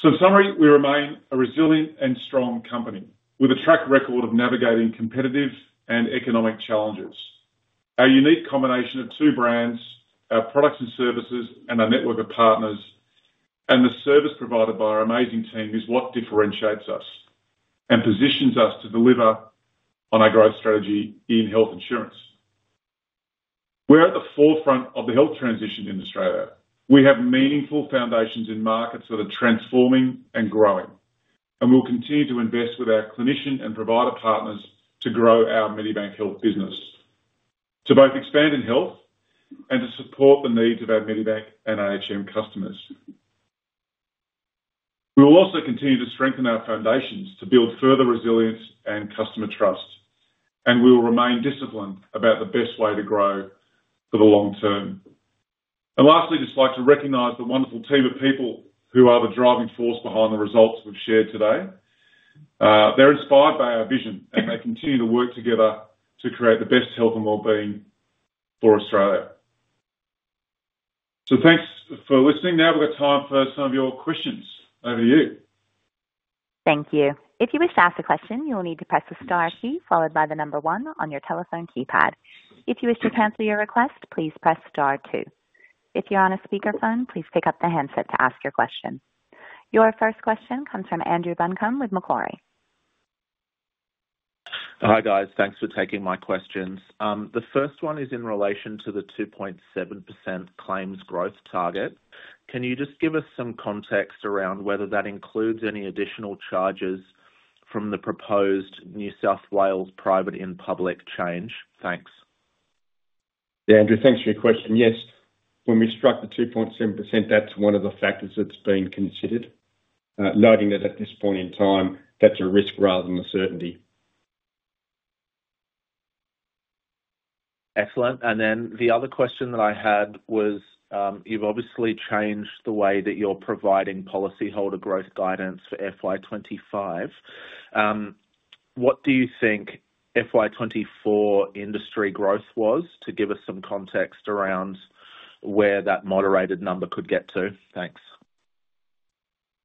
So in summary, we remain a resilient and strong company with a track record of navigating competitive and economic challenges. Our unique combination of two brands, our products and services, and our network of partners, and the service provided by our amazing team, is what differentiates us and positions us to deliver on our growth strategy in health insurance. We're at the forefront of the health transition in Australia. We have meaningful foundations in markets that are transforming and growing, and we'll continue to invest with our clinician and provider partners to grow our Medibank Health business, to both expand in health and to support the needs of our Medibank and ahm customers. We will also continue to strengthen our foundations to build further resilience and customer trust, and we will remain disciplined about the best way to grow for the long term. Lastly, I'd just like to recognize the wonderful team of people who are the driving force behind the results we've shared today. They're inspired by our vision, and they continue to work together to create the best health and well-being for Australia. Thanks for listening. Now we've got time for some of your questions. Over to you. Thank you. If you wish to ask a question, you will need to press the star key followed by the number one on your telephone keypad. If you wish to cancel your request, please press star two. If you're on a speakerphone, please pick up the handset to ask your question. Your first question comes from Andrew Buncombe with Macquarie. Hi, guys. Thanks for taking my questions. The first one is in relation to the 2.7% claims growth target. Can you just give us some context around whether that includes any additional charges from the proposed New South Wales private and public change? Thanks. Yeah, Andrew, thanks for your question. Yes, when we struck the 2.7%, that's one of the factors that's been considered, noting that at this point in time, that's a risk rather than a certainty. Excellent. And then the other question that I had was, you've obviously changed the way that you're providing policyholder growth guidance for FY 2025. What do you think FY 2024 industry growth was, to give us some context around where that moderated number could get to? Thanks.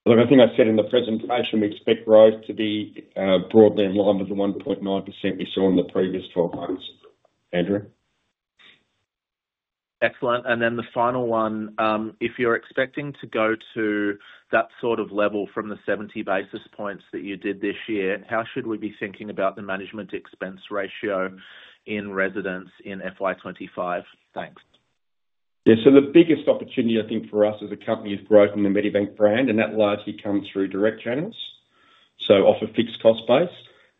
I think I said in the presentation, we expect growth to be broadly in line with the 1.9% we saw in the previous 12 months. Andrew? Excellent. And then the final one, if you're expecting to go to that sort of level from the 70 basis points that you did this year, how should we be thinking about the Management Expense Ratio and reinsurance in FY 2025? Thanks. Yeah. So the biggest opportunity, I think, for us as a company, is growth in the Medibank brand, and that largely comes through direct channels, so off a fixed cost base.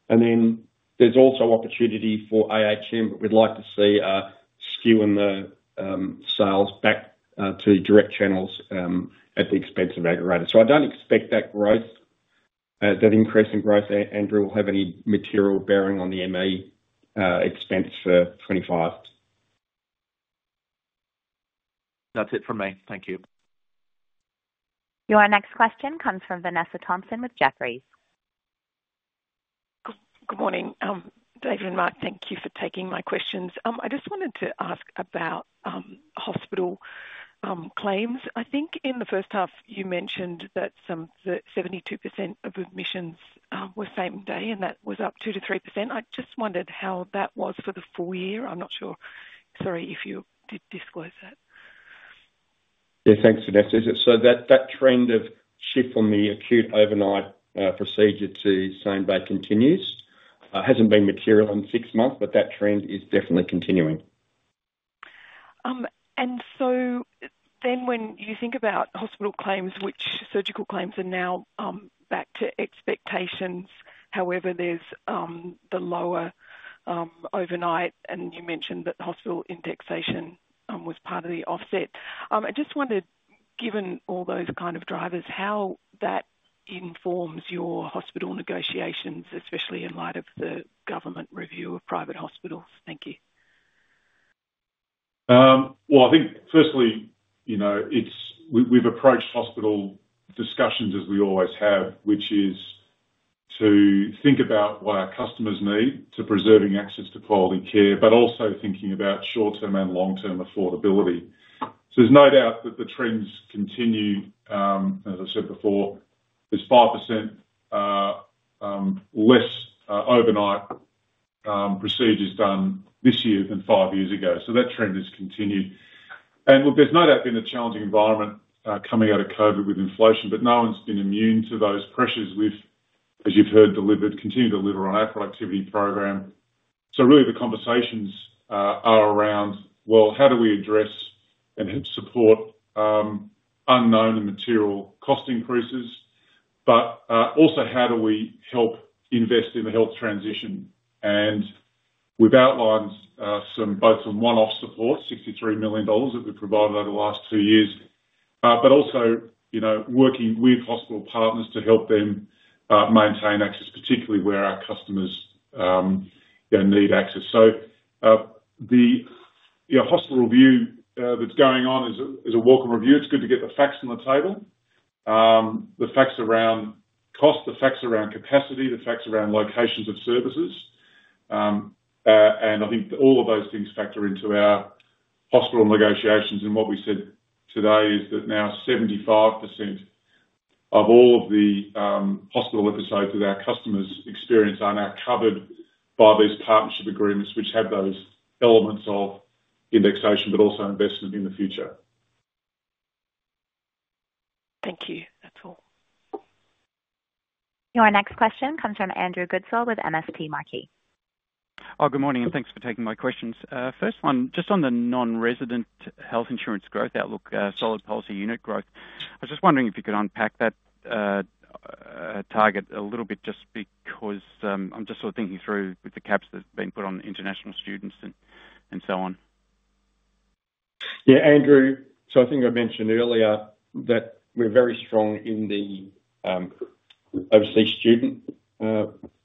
And then there's also opportunity for ahm, but we'd like to see a skew in the sales back to direct channels at the expense of aggregator. So I don't expect that growth, that increase in growth, Andrew, will have any material bearing on the MER expense for 2025. That's it for me. Thank you. Your next question comes from Vanessa Thomson with Jefferies. Good morning, David and Mark, thank you for taking my questions. I just wanted to ask about hospital claims. I think in the first half, you mentioned that some 72% of admissions were same day, and that was up 2%-3%. I just wondered how that was for the full year. I'm not sure, sorry if you did disclose that. Yeah, thanks, Vanessa. So that trend of shift from the acute overnight procedure to same-day continues. Hasn't been material in six months, but that trend is definitely continuing. And so then when you think about hospital claims, which surgical claims are now back to expectations, however, there's the lower overnight, and you mentioned that hospital indexation was part of the offset. I just wondered, given all those kind of drivers, how that informs your hospital negotiations, especially in light of the government review of private hospitals? Thank you. I think firstly, you know, we've approached hospital discussions as we always have, which is to think about what our customers need to preserving access to quality care, but also thinking about short-term and long-term affordability. So there's no doubt that the trends continue, as I said before, there's 5% less overnight procedures done this year than five years ago. So that trend has continued, and look, there's no doubt been a challenging environment coming out of COVID-19 with inflation, but no one's been immune to those pressures. We've, as you've heard, delivered, continue to deliver on our productivity program. So really the conversations are around, well, how do we address and help support unknown and material cost increases? But also how do we help invest in the health transition? We've outlined some one-off support, 63 million dollars, that we've provided over the last two years, but also, you know, working with hospital partners to help them maintain access, particularly where our customers, need access. The hospital review that's going on is a welcome review. It's good to get the facts on the table. The facts around cost, the facts around capacity, the facts around locations of services. I think all of those things factor into our hospital negotiations, and what we said today is that now 75% of all of the hospital episodes that our customers experience are now covered by these partnership agreements, which have those elements of indexation but also investment in the future. Thank you. That's all. Your next question comes from Andrew Goodsall with MST Marquee. Oh, good morning, and thanks for taking my questions. First one, just on the non-resident health insurance growth outlook, solid policy unit growth. I was just wondering if you could unpack that target a little bit, just because I'm just sort of thinking through with the caps that have been put on international students and so on. Yeah, Andrew. So I think I mentioned earlier that we're very strong in the overseas student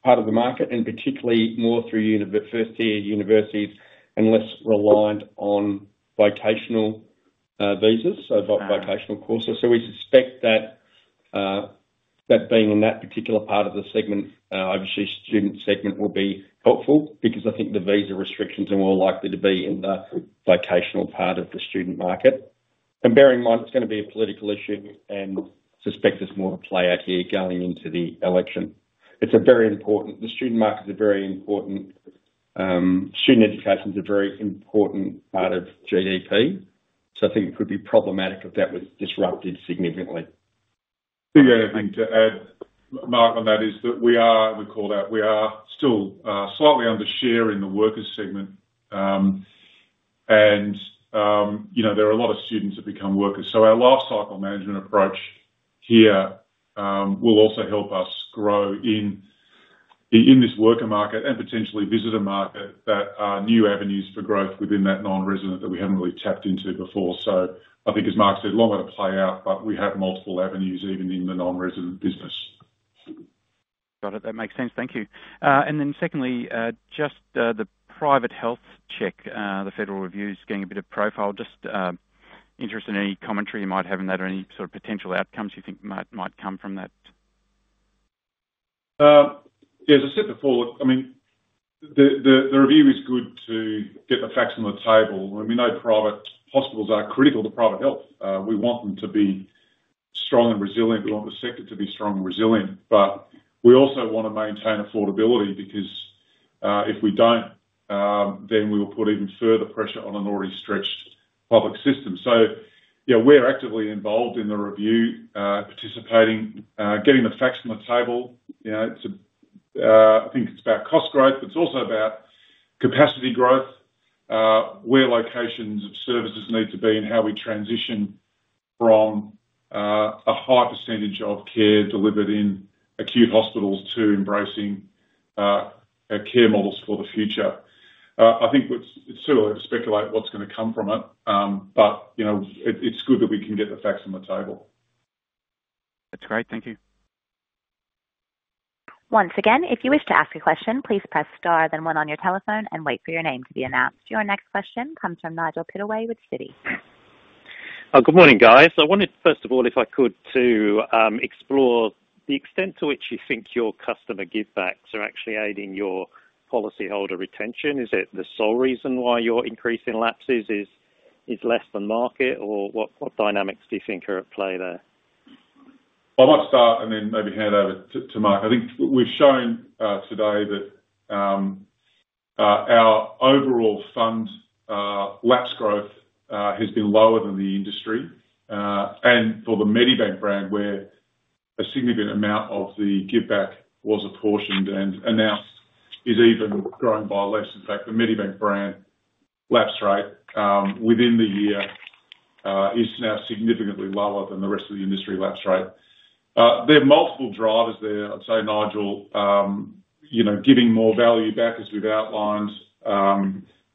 part of the market, and particularly more through first-year universities and less reliant on vocational visas, so vocational courses. So we suspect that that being in that particular part of the segment, obviously student segment will be helpful because I think the visa restrictions are more likely to be in the vocational part of the student market. And bearing in mind, it's going to be a political issue and suspect there's more to play out here going into the election. It's a very important. The student market is a very important, student education is a very important part of GDP, so I think it could be problematic if that was disrupted significantly. The only thing to add, Mark, on that is that we are still slightly underpenetrating the workers segment. You know, there are a lot of students that become workers. So our life cycle management approach here will also help us grow in this worker market and potentially visitor market that new avenues for growth within that non-resident that we haven't really tapped into before. So I think, as Mark said, a lot to play out, but we have multiple avenues even in the non-resident business. Got it. That makes sense. Thank you. And then secondly, just the private health check, the federal review is getting a bit of profile. Just interested in any commentary you might have on that or any sort of potential outcomes you think might come from that? Yeah, as I said before, look, I mean, the review is good to get the facts on the table, and we know private hospitals are critical to private health. We want them to be strong and resilient. We want the sector to be strong and resilient, but we also want to maintain affordability because if we don't, then we will put even further pressure on an already stretched public system, so yeah, we're actively involved in the review, participating, getting the facts on the table. You know, I think it's about cost growth, but it's also about capacity growth, where locations of services need to be and how we transition from a high percentage of care delivered in acute hospitals to embracing our care models for the future. I think it's too early to speculate what's going to come from it, but you know, it's good that we can get the facts on the table. That's great. Thank you. Once again, if you wish to ask a question, please press star then one on your telephone and wait for your name to be announced. Your next question comes from Nigel Pittaway with Citi. Good morning, guys. I wanted, first of all, if I could, to explore the extent to which you think your customer givebacks are actually aiding your policyholder retention. Is it the sole reason why your increase in lapses is less than market? Or what dynamics do you think are at play there? I might start, and then maybe hand over to Mark. I think we've shown today that our overall fund lapse growth has been lower than the industry, and for the Medibank brand, where a significant amount of the giveback was apportioned and now is even growing by less. In fact, the Medibank brand lapse rate within the year is now significantly lower than the rest of the industry lapse rate. There are multiple drivers there. I'd say, Nigel, you know, giving more value back, as we've outlined.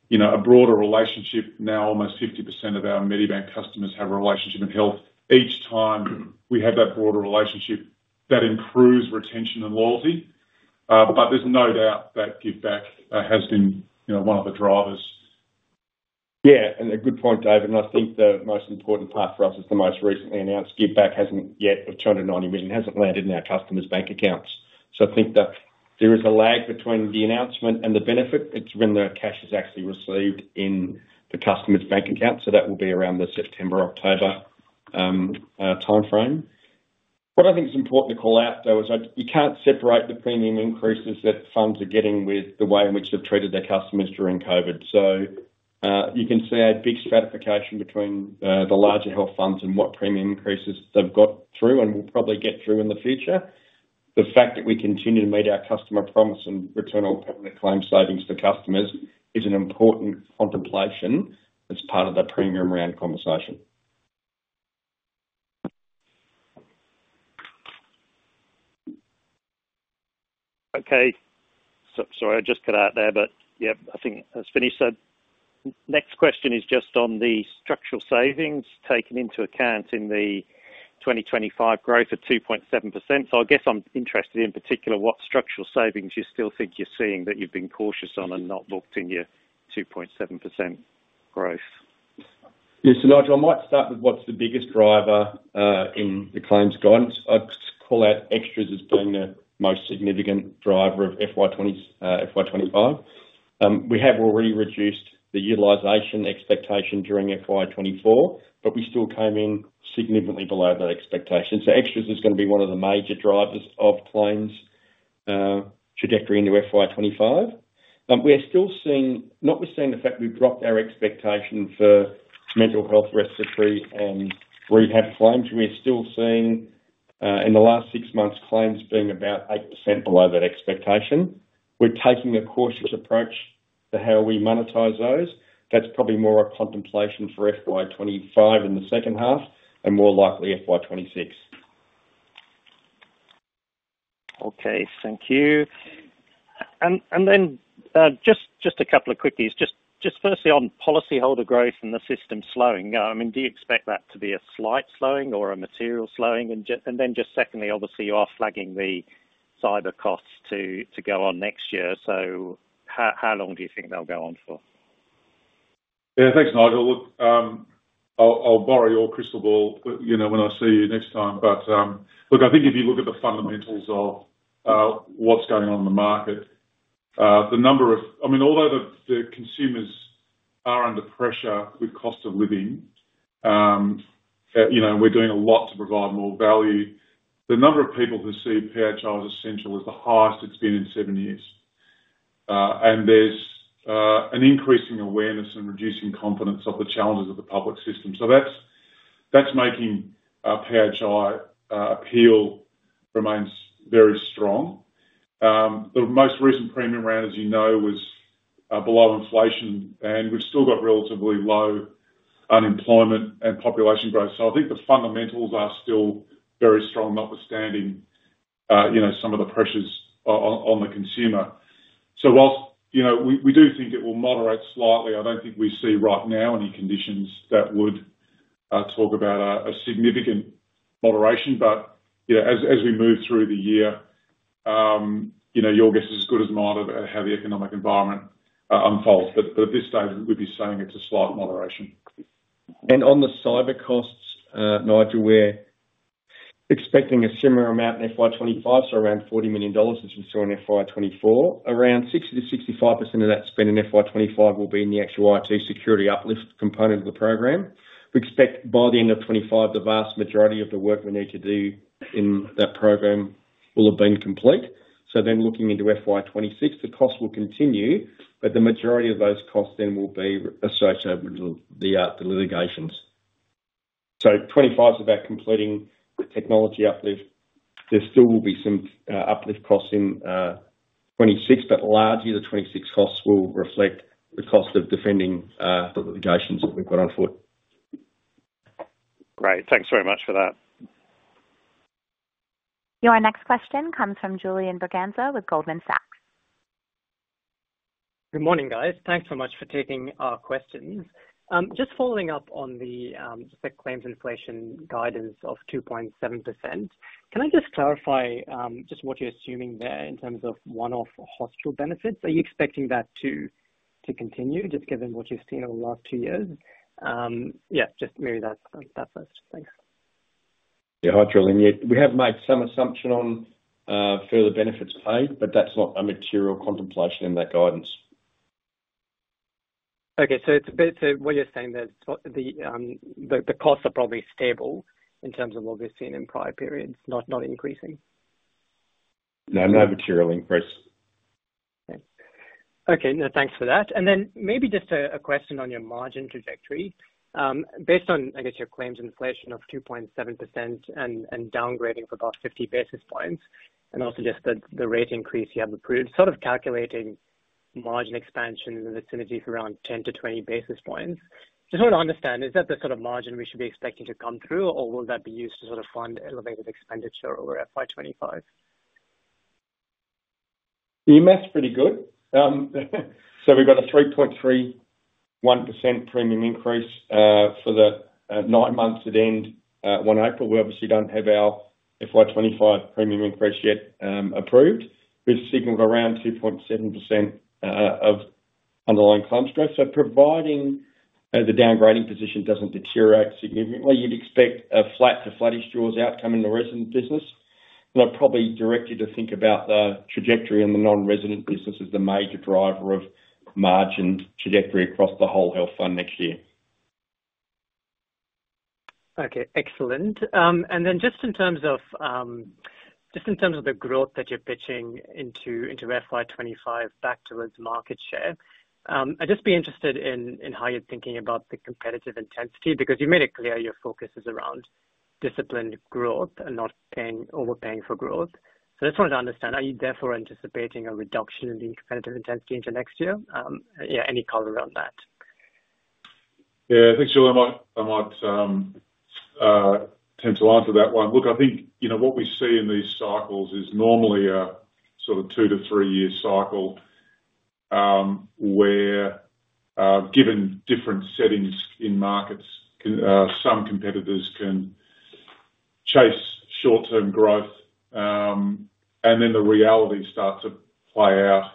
You know, a broader relationship. Now, almost 50% of our Medibank customers have a relationship in health. Each time we have that broader relationship, that improves retention and loyalty, but there's no doubt that giveback has been, one of the drivers. Yeah, and a good point, David. And I think the most important part for us is the most recently announced giveback hasn't yet of 290 million landed in our customers' bank accounts. So I think that there is a lag between the announcement and the benefit. It's when the cash is actually received in the customer's bank account, so that will be around the September, October timeframe. What I think is important to call out, though, is that you can't separate the premium increases that funds are getting with the way in which they've treated their customers during COVID. So, you can see a big stratification between the larger health funds and what premium increases they've got through and will probably get through in the future. The fact that we continue to meet our customer promise and return all permanent claims savings to customers is an important contemplation as part of the premium round conversation. Okay. Sorry, I just cut out there, but yeah, I think that's finished. So next question is just on the structural savings taken into account in the 2025 growth of 2.7%. So I guess I'm interested in particular, what structural savings you still think you're seeing that you've been cautious on and not locked in your 2.7% growth? Yes. So, Nigel, I might start with what's the biggest driver in the claims guidance. I'd call out extras as being the most significant driver of FY 2025. We have already reduced the utilization expectation during FY 2024, but we still came in significantly below that expectation. So extras is gonna be one of the major drivers of claims trajectory into FY 2025. We're still seeing notwithstanding the fact we've dropped our expectation for mental health, physio, and rehab claims, we're still seeing in the last six months, claims being about 8% below that expectation. We're taking a cautious approach to how we monetize those. That's probably more a contemplation for FY 2025 in the second half, and more likely FY 2026. Okay, thank you. And then just a couple of quickies. Just firstly on policyholder growth and the system slowing. I mean, do you expect that to be a slight slowing or a material slowing? And then just secondly, obviously, you are flagging the cyber costs to go on next year, so how long do you think they'll go on for? Yeah, thanks, Nigel. Look, I'll borrow your crystal ball, but, you know, when I see you next time. But, look, I think if you look at the fundamentals of what's going on in the market. I mean, although the consumers are under pressure with cost of living, you know, we're doing a lot to provide more value. The number of people who see PHI as essential is the highest it's been in seven years. There's an increasing awareness and reducing confidence of the challenges of the public system. That's making our PHI appeal remains very strong. The most recent premium round, as you know, was below inflation, and we've still got relatively low unemployment and population growth. So I think the fundamentals are still very strong, notwithstanding some of the pressures on the consumer. So whilst, we do think it will moderate slightly, I don't think we see right now any conditions that would talk about a significant moderation. But, you know, as we move through the year, you know, your guess is as good as mine of how the economic environment unfolds. But at this stage, we'd be saying it's a slight moderation. And on the cyber costs, Nigel, we're expecting a similar amount in FY 2025, so around 40 million dollars as we saw in FY 2024. Around 60%-65% of that spend in FY 2025 will be in the actual IT security uplift component of the program. We expect by the end of 2025, the vast majority of the work we need to do in that program will have been complete. So then looking into FY 2026, the costs will continue, but the majority of those costs then will be associated with the litigations. So 2025 is about completing the technology uplift. There still will be some uplift costs in 2026, but largely the 2026 costs will reflect the cost of defending the litigations that we've got on foot. Great. Thanks very much for that. Your next question comes from Julian Braganza with Goldman Sachs. Good morning, guys. Thanks so much for taking our questions. Just following up on the spec claims inflation guidance of 2.7%. Can I just clarify just what you're assuming there in terms of one-off hospital benefits? Are you expecting that to continue, just given what you've seen over the last two years? Yeah, just maybe that first. Thanks. Yeah. Hi, Julian. Yeah, we have made some assumption on further benefits paid, but that's not a material contemplation in that guidance. Okay, so what you're saying is the costs are probably stable in terms of what we've seen in prior periods, not increasing? No, not materially increase. Okay. Okay, no, thanks for that. And then maybe just a question on your margin trajectory. Based on, I guess, your claims inflation of 2.7% and downgrading of about 50 basis points, and also just the rate increase you have approved, sort of calculating margin expansion in the vicinity of around 10-20 basis points. Just want to understand, is that the sort of margin we should be expecting to come through, or will that be used to sort of fund elevated expenditure over FY 2025? Your math's pretty good. So we've got a 3.31% premium increase for the nine months that end 1 April. We obviously don't have our FY 2025 premium increase yet approved. We've signaled around 2.7% of underlying claim strength. So providing the underwriting position doesn't deteriorate significantly, you'd expect a flat to flattish dollars outcome in the resident business. And I'd probably direct you to think about the trajectory in the non-resident business as the major driver of margin trajectory across the whole health fund next year. Okay, excellent. And then just in terms of the growth that you're pitching into FY 2025 back towards market share, I'd just be interested in how you're thinking about the competitive intensity, because you made it clear your focus is around disciplined growth and not paying, overpaying for growth. So I just wanted to understand, are you therefore anticipating a reduction in the competitive intensity into next year? Yeah, any color around that? Yeah, I think, Julian, I might tend to answer that one. Look, I think, you know, what we see in these cycles is normally a sort of two-to-three-year cycle, where given different settings in markets, some competitors can chase short-term growth. And then the reality starts to play out,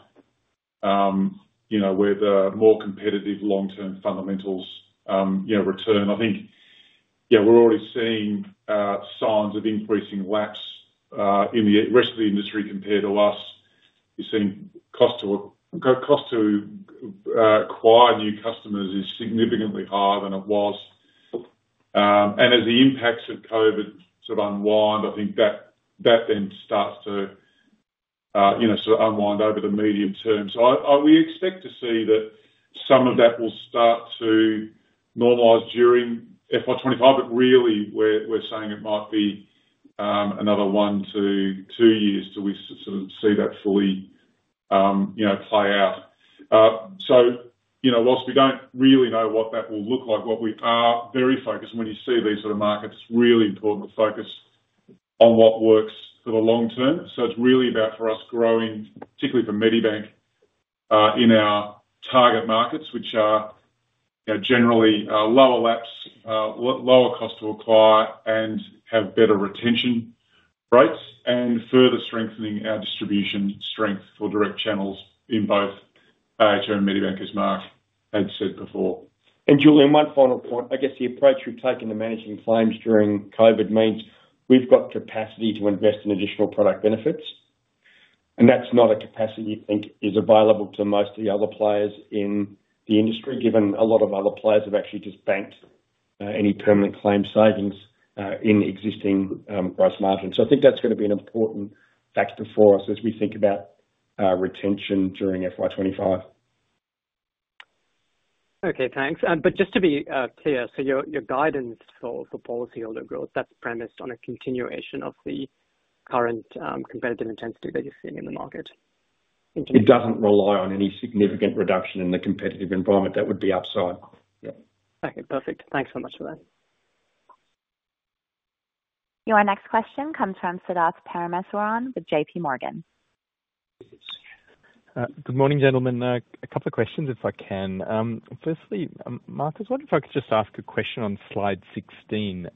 you know, where the more competitive long-term fundamentals, you know, return. I think, yeah, we're already seeing signs of increasing lapse in the rest of the industry compared to us. You're seeing cost to acquire new customers is significantly higher than it was. And as the impacts of COVID sort of unwind, I think that then starts to, sort of unwind over the medium term. We expect to see that some of that will start to normalize during FY 2025, but really, we're saying it might be another one to two years till we sort of see that fully, you know, play out. So, you know, whilst we don't really know what that will look like, what we are very focused, and when you see these sort of markets, it's really important to focus on what works for the long term. So it's really about, for us, growing, particularly for Medibank, in our target markets, which are, generally, lower lapse, lower cost to acquire and have better retention rates, and further strengthening our distribution strength for direct channels in both ahm and Medibank as Mark had said before. And Julian, one final point. I guess the approach we've taken to managing claims during COVID means we've got capacity to invest in additional product benefits, and that's not a capacity we think is available to most of the other players in the industry, given a lot of other players have actually just banked any permanent claim savings in existing gross margins. So I think that's going to be an important factor for us as we think about retention during FY twenty-five. Okay, thanks. But just to be clear, so your guidance for the policyholder growth, that's premised on a continuation of the current competitive intensity that you're seeing in the market? It doesn't rely on any significant reduction in the competitive environment. That would be upside. Yeah. Okay, perfect. Thanks so much for that. Your next question comes from Siddharth Parameswaran with JPMorgan. Good morning, gentlemen. A couple of questions, if I can. Firstly, Mark, I wonder if I could just ask a question on slide 16.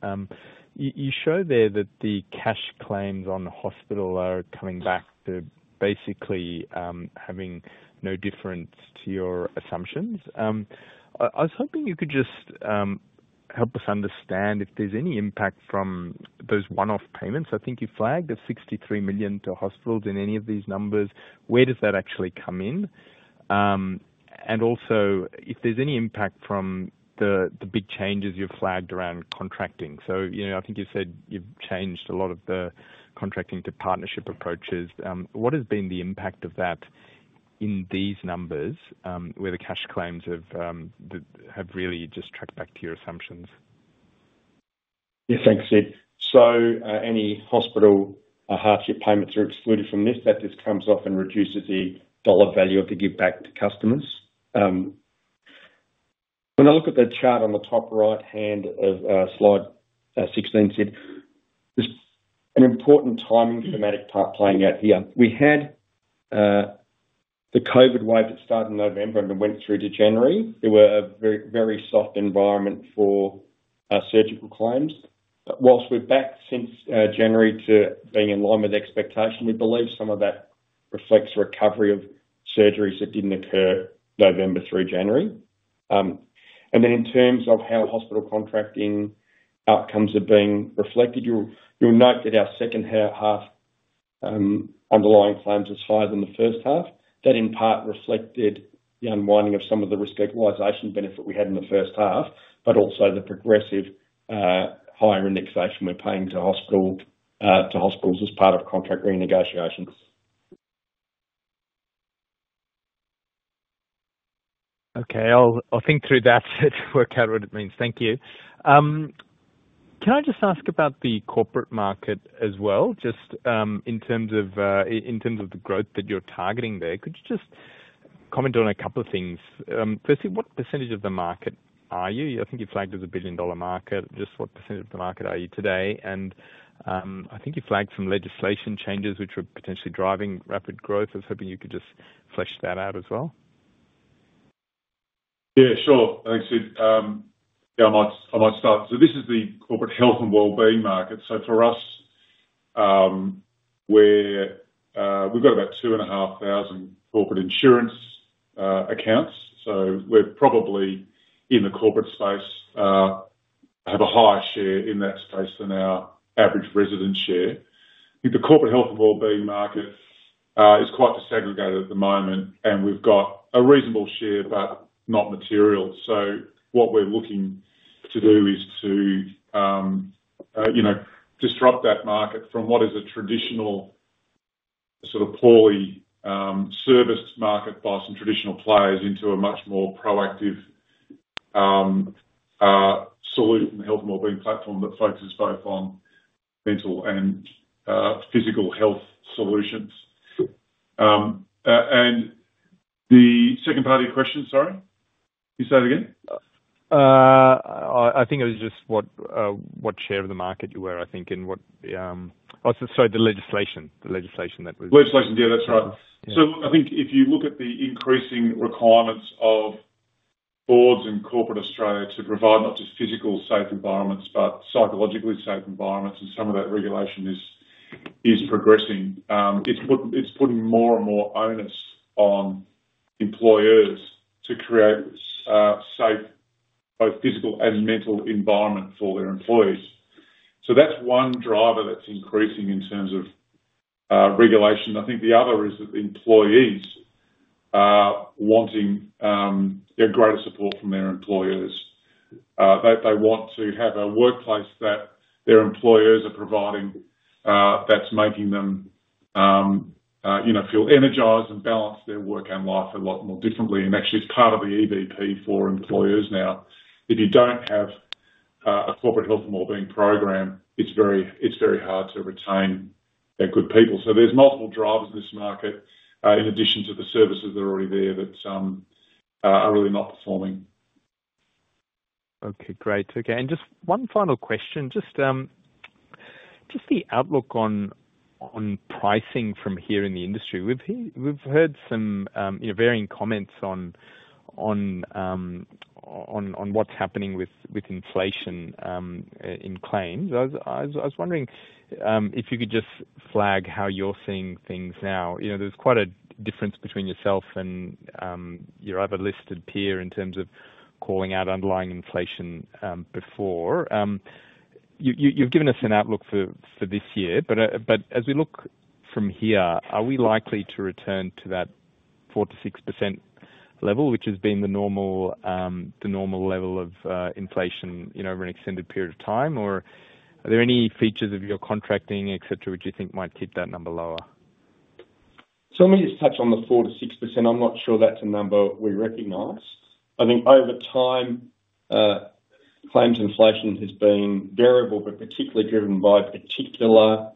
You show there that the cash claims on hospitals are coming back to basically having no difference to your assumptions. I was hoping you could just help us understand if there's any impact from those one-off payments. I think you flagged the 63 million to hospitals in any of these numbers. Where does that actually come in? And also, if there's any impact from the big changes you've flagged around contracting. So, you know, I think you've said you've changed a lot of the contracting to partnership approaches. What has been the impact of that in these numbers, where the cash claims have really just tracked back to your assumptions? Yes, thanks, Sid. So, any hospital hardship payments are excluded from this. That just comes off and reduces the dollar value of the giveback to customers. When I look at the chart on the top right-hand of slide 16, Sid, there's an important timing thematic part playing out here. We had the COVID wave that started in November and then went through to January. There were a very, very soft environment for surgical claims. But while we're back since January to being in line with expectation, we believe some of that reflects recovery of surgeries that didn't occur November through January. And then in terms of how hospital contracting outcomes are being reflected, you'll note that our second-half underlying claims are higher than the first half. That, in part, reflected the unwinding of some of the Risk Equalisation benefit we had in the first half, but also the progressive, higher indexation we're paying to hospital, to hospitals as part of contract renegotiations. Okay. I'll think through that to work out what it means. Thank you. Can I just ask about the corporate market as well, just in terms of the growth that you're targeting there? Could you just comment on a couple of things? Firstly, what percentage of the market are you? I think you flagged as a billion-dollar market. Just what percentage of the market are you today? And I think you flagged some legislation changes, which were potentially driving rapid growth. I was hoping you could just flesh that out as well. Yeah, sure. Thanks, Sid. Yeah, I might start. So this is the corporate health and well-being market. So for us, we've got about two and a half thousand corporate insurance accounts, so we're probably in the corporate space have a higher share in that space than our average resident share. I think the corporate health and well-being market is quite disaggregated at the moment, and we've got a reasonable share, but not material. So what we're looking to do is to you know, disrupt that market from what is a traditional, sort of, poorly serviced market by some traditional players into a much more proactive solution health and well-being platform that focuses both on mental and physical health solutions. And the second part of your question, sorry? Can you say it again? I think it was just what share of the market you were, I think, and what the. Oh, sorry, the legislation. The legislation that was- Legislation. Yeah, that's right. Yeah. I think if you look at the increasing requirements of boards in corporate Australia to provide not just physical, safe environments, but psychologically safe environments, and some of that regulation is progressing, it's putting more and more onus on employers to create safe, both physical and mental environment for their employees. That's one driver that's increasing in terms of regulation. I think the other is that the employees are wanting a greater support from their employers. They want to have a workplace that their employers are providing that's making them, you know, feel energized and balance their work and life a lot more differently. And actually, it's part of the EVP for employers now. If you don't have a corporate health and well-being program, it's very hard to retain their good people. So there's multiple drivers in this market, in addition to the services that are already there, that are really not performing. Okay, great. Okay, and just one final question. Just the outlook on pricing from here in the industry. We've heard some, varying comments on what's happening with inflation in claims. I was wondering if you could just flag how you're seeing things now. You know, there's quite a difference between yourself and your other listed peer in terms of calling out underlying inflation before. You've given us an outlook for this year, but as we look from here, are we likely to return to that 4%-6% level, which has been the normal level of inflation, you know, over an extended period of time? Or are there any features of your contracting, et cetera, which you think might keep that number lower? So let me just touch on the 4%-6%. I'm not sure that's a number we recognize. I think over time, claims inflation has been variable, but particularly driven by particular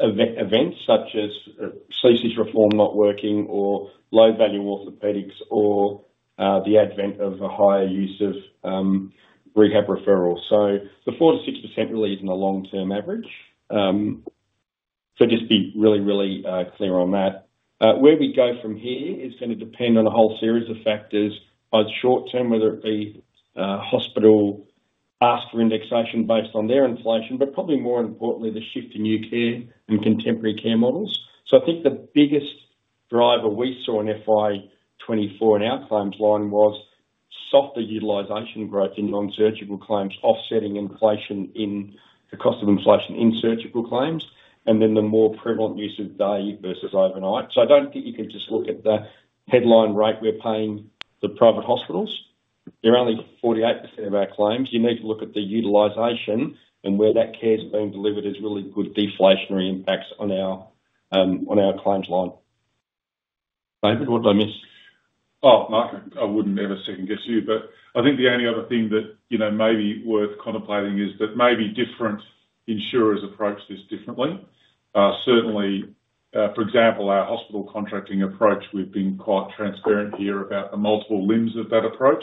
events such as CC reform not working, or low value orthopedics, or the advent of a higher use of rehab referrals. So the 4%-6% really isn't a long-term average. So just be really, really clear on that. Where we go from here is going to depend on a whole series of factors, both short term, whether it be hospital ask for indexation based on their inflation, but probably more importantly, the shift in new care and contemporary care models. So I think the biggest driver we saw in FY 2024 in our claims line was softer utilization growth in non-surgical claims, offsetting inflation in--the cost of inflation in surgical claims, and then the more prevalent use of day versus overnight. So I don't think you can just look at the headline rate we're paying the private hospitals. They're only 48% of our claims. You need to look at the utilization and where that care is being delivered as really good deflationary impacts on our claims line. David, what did I miss? Oh, Mark, I wouldn't ever second-guess you, but I think the only other thing that, you know, may be worth contemplating is that maybe different insurers approach this differently. Certainly, for example, our hospital contracting approach, we've been quite transparent here about the multiple limbs of that approach.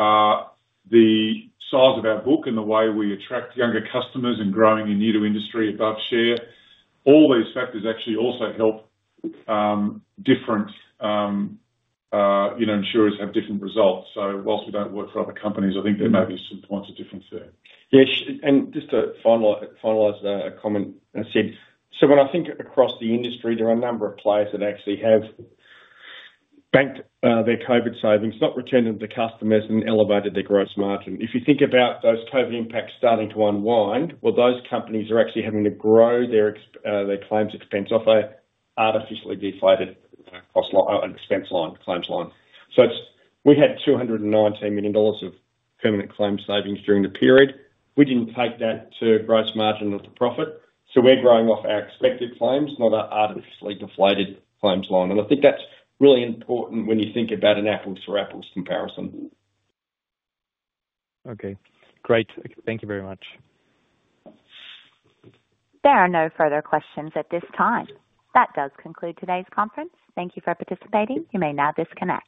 The size of our book and the way we attract younger customers and growing in new to industry above share, all these factors actually also help, different, you know, insurers have different results. So whilst we don't work for other companies, I think there may be some points of difference there. Yeah, and just to finalize a comment I said. So when I think across the industry, there are a number of players that actually have banked their COVID savings, not returned them to customers, and elevated their gross margin. If you think about those COVID impacts starting to unwind, well, those companies are actually having to grow their claims expense off an artificially deflated cost line, expense line, claims line. So it's. We had 219 million dollars of permanent claims savings during the period. We didn't take that to gross margin or to profit, so we're growing off our expected claims, not our artificially deflated claims line. And I think that's really important when you think about an apples-to-apples comparison. Okay, great. Thank you very much. There are no further questions at this time. That does conclude today's conference. Thank you for participating. You may now disconnect.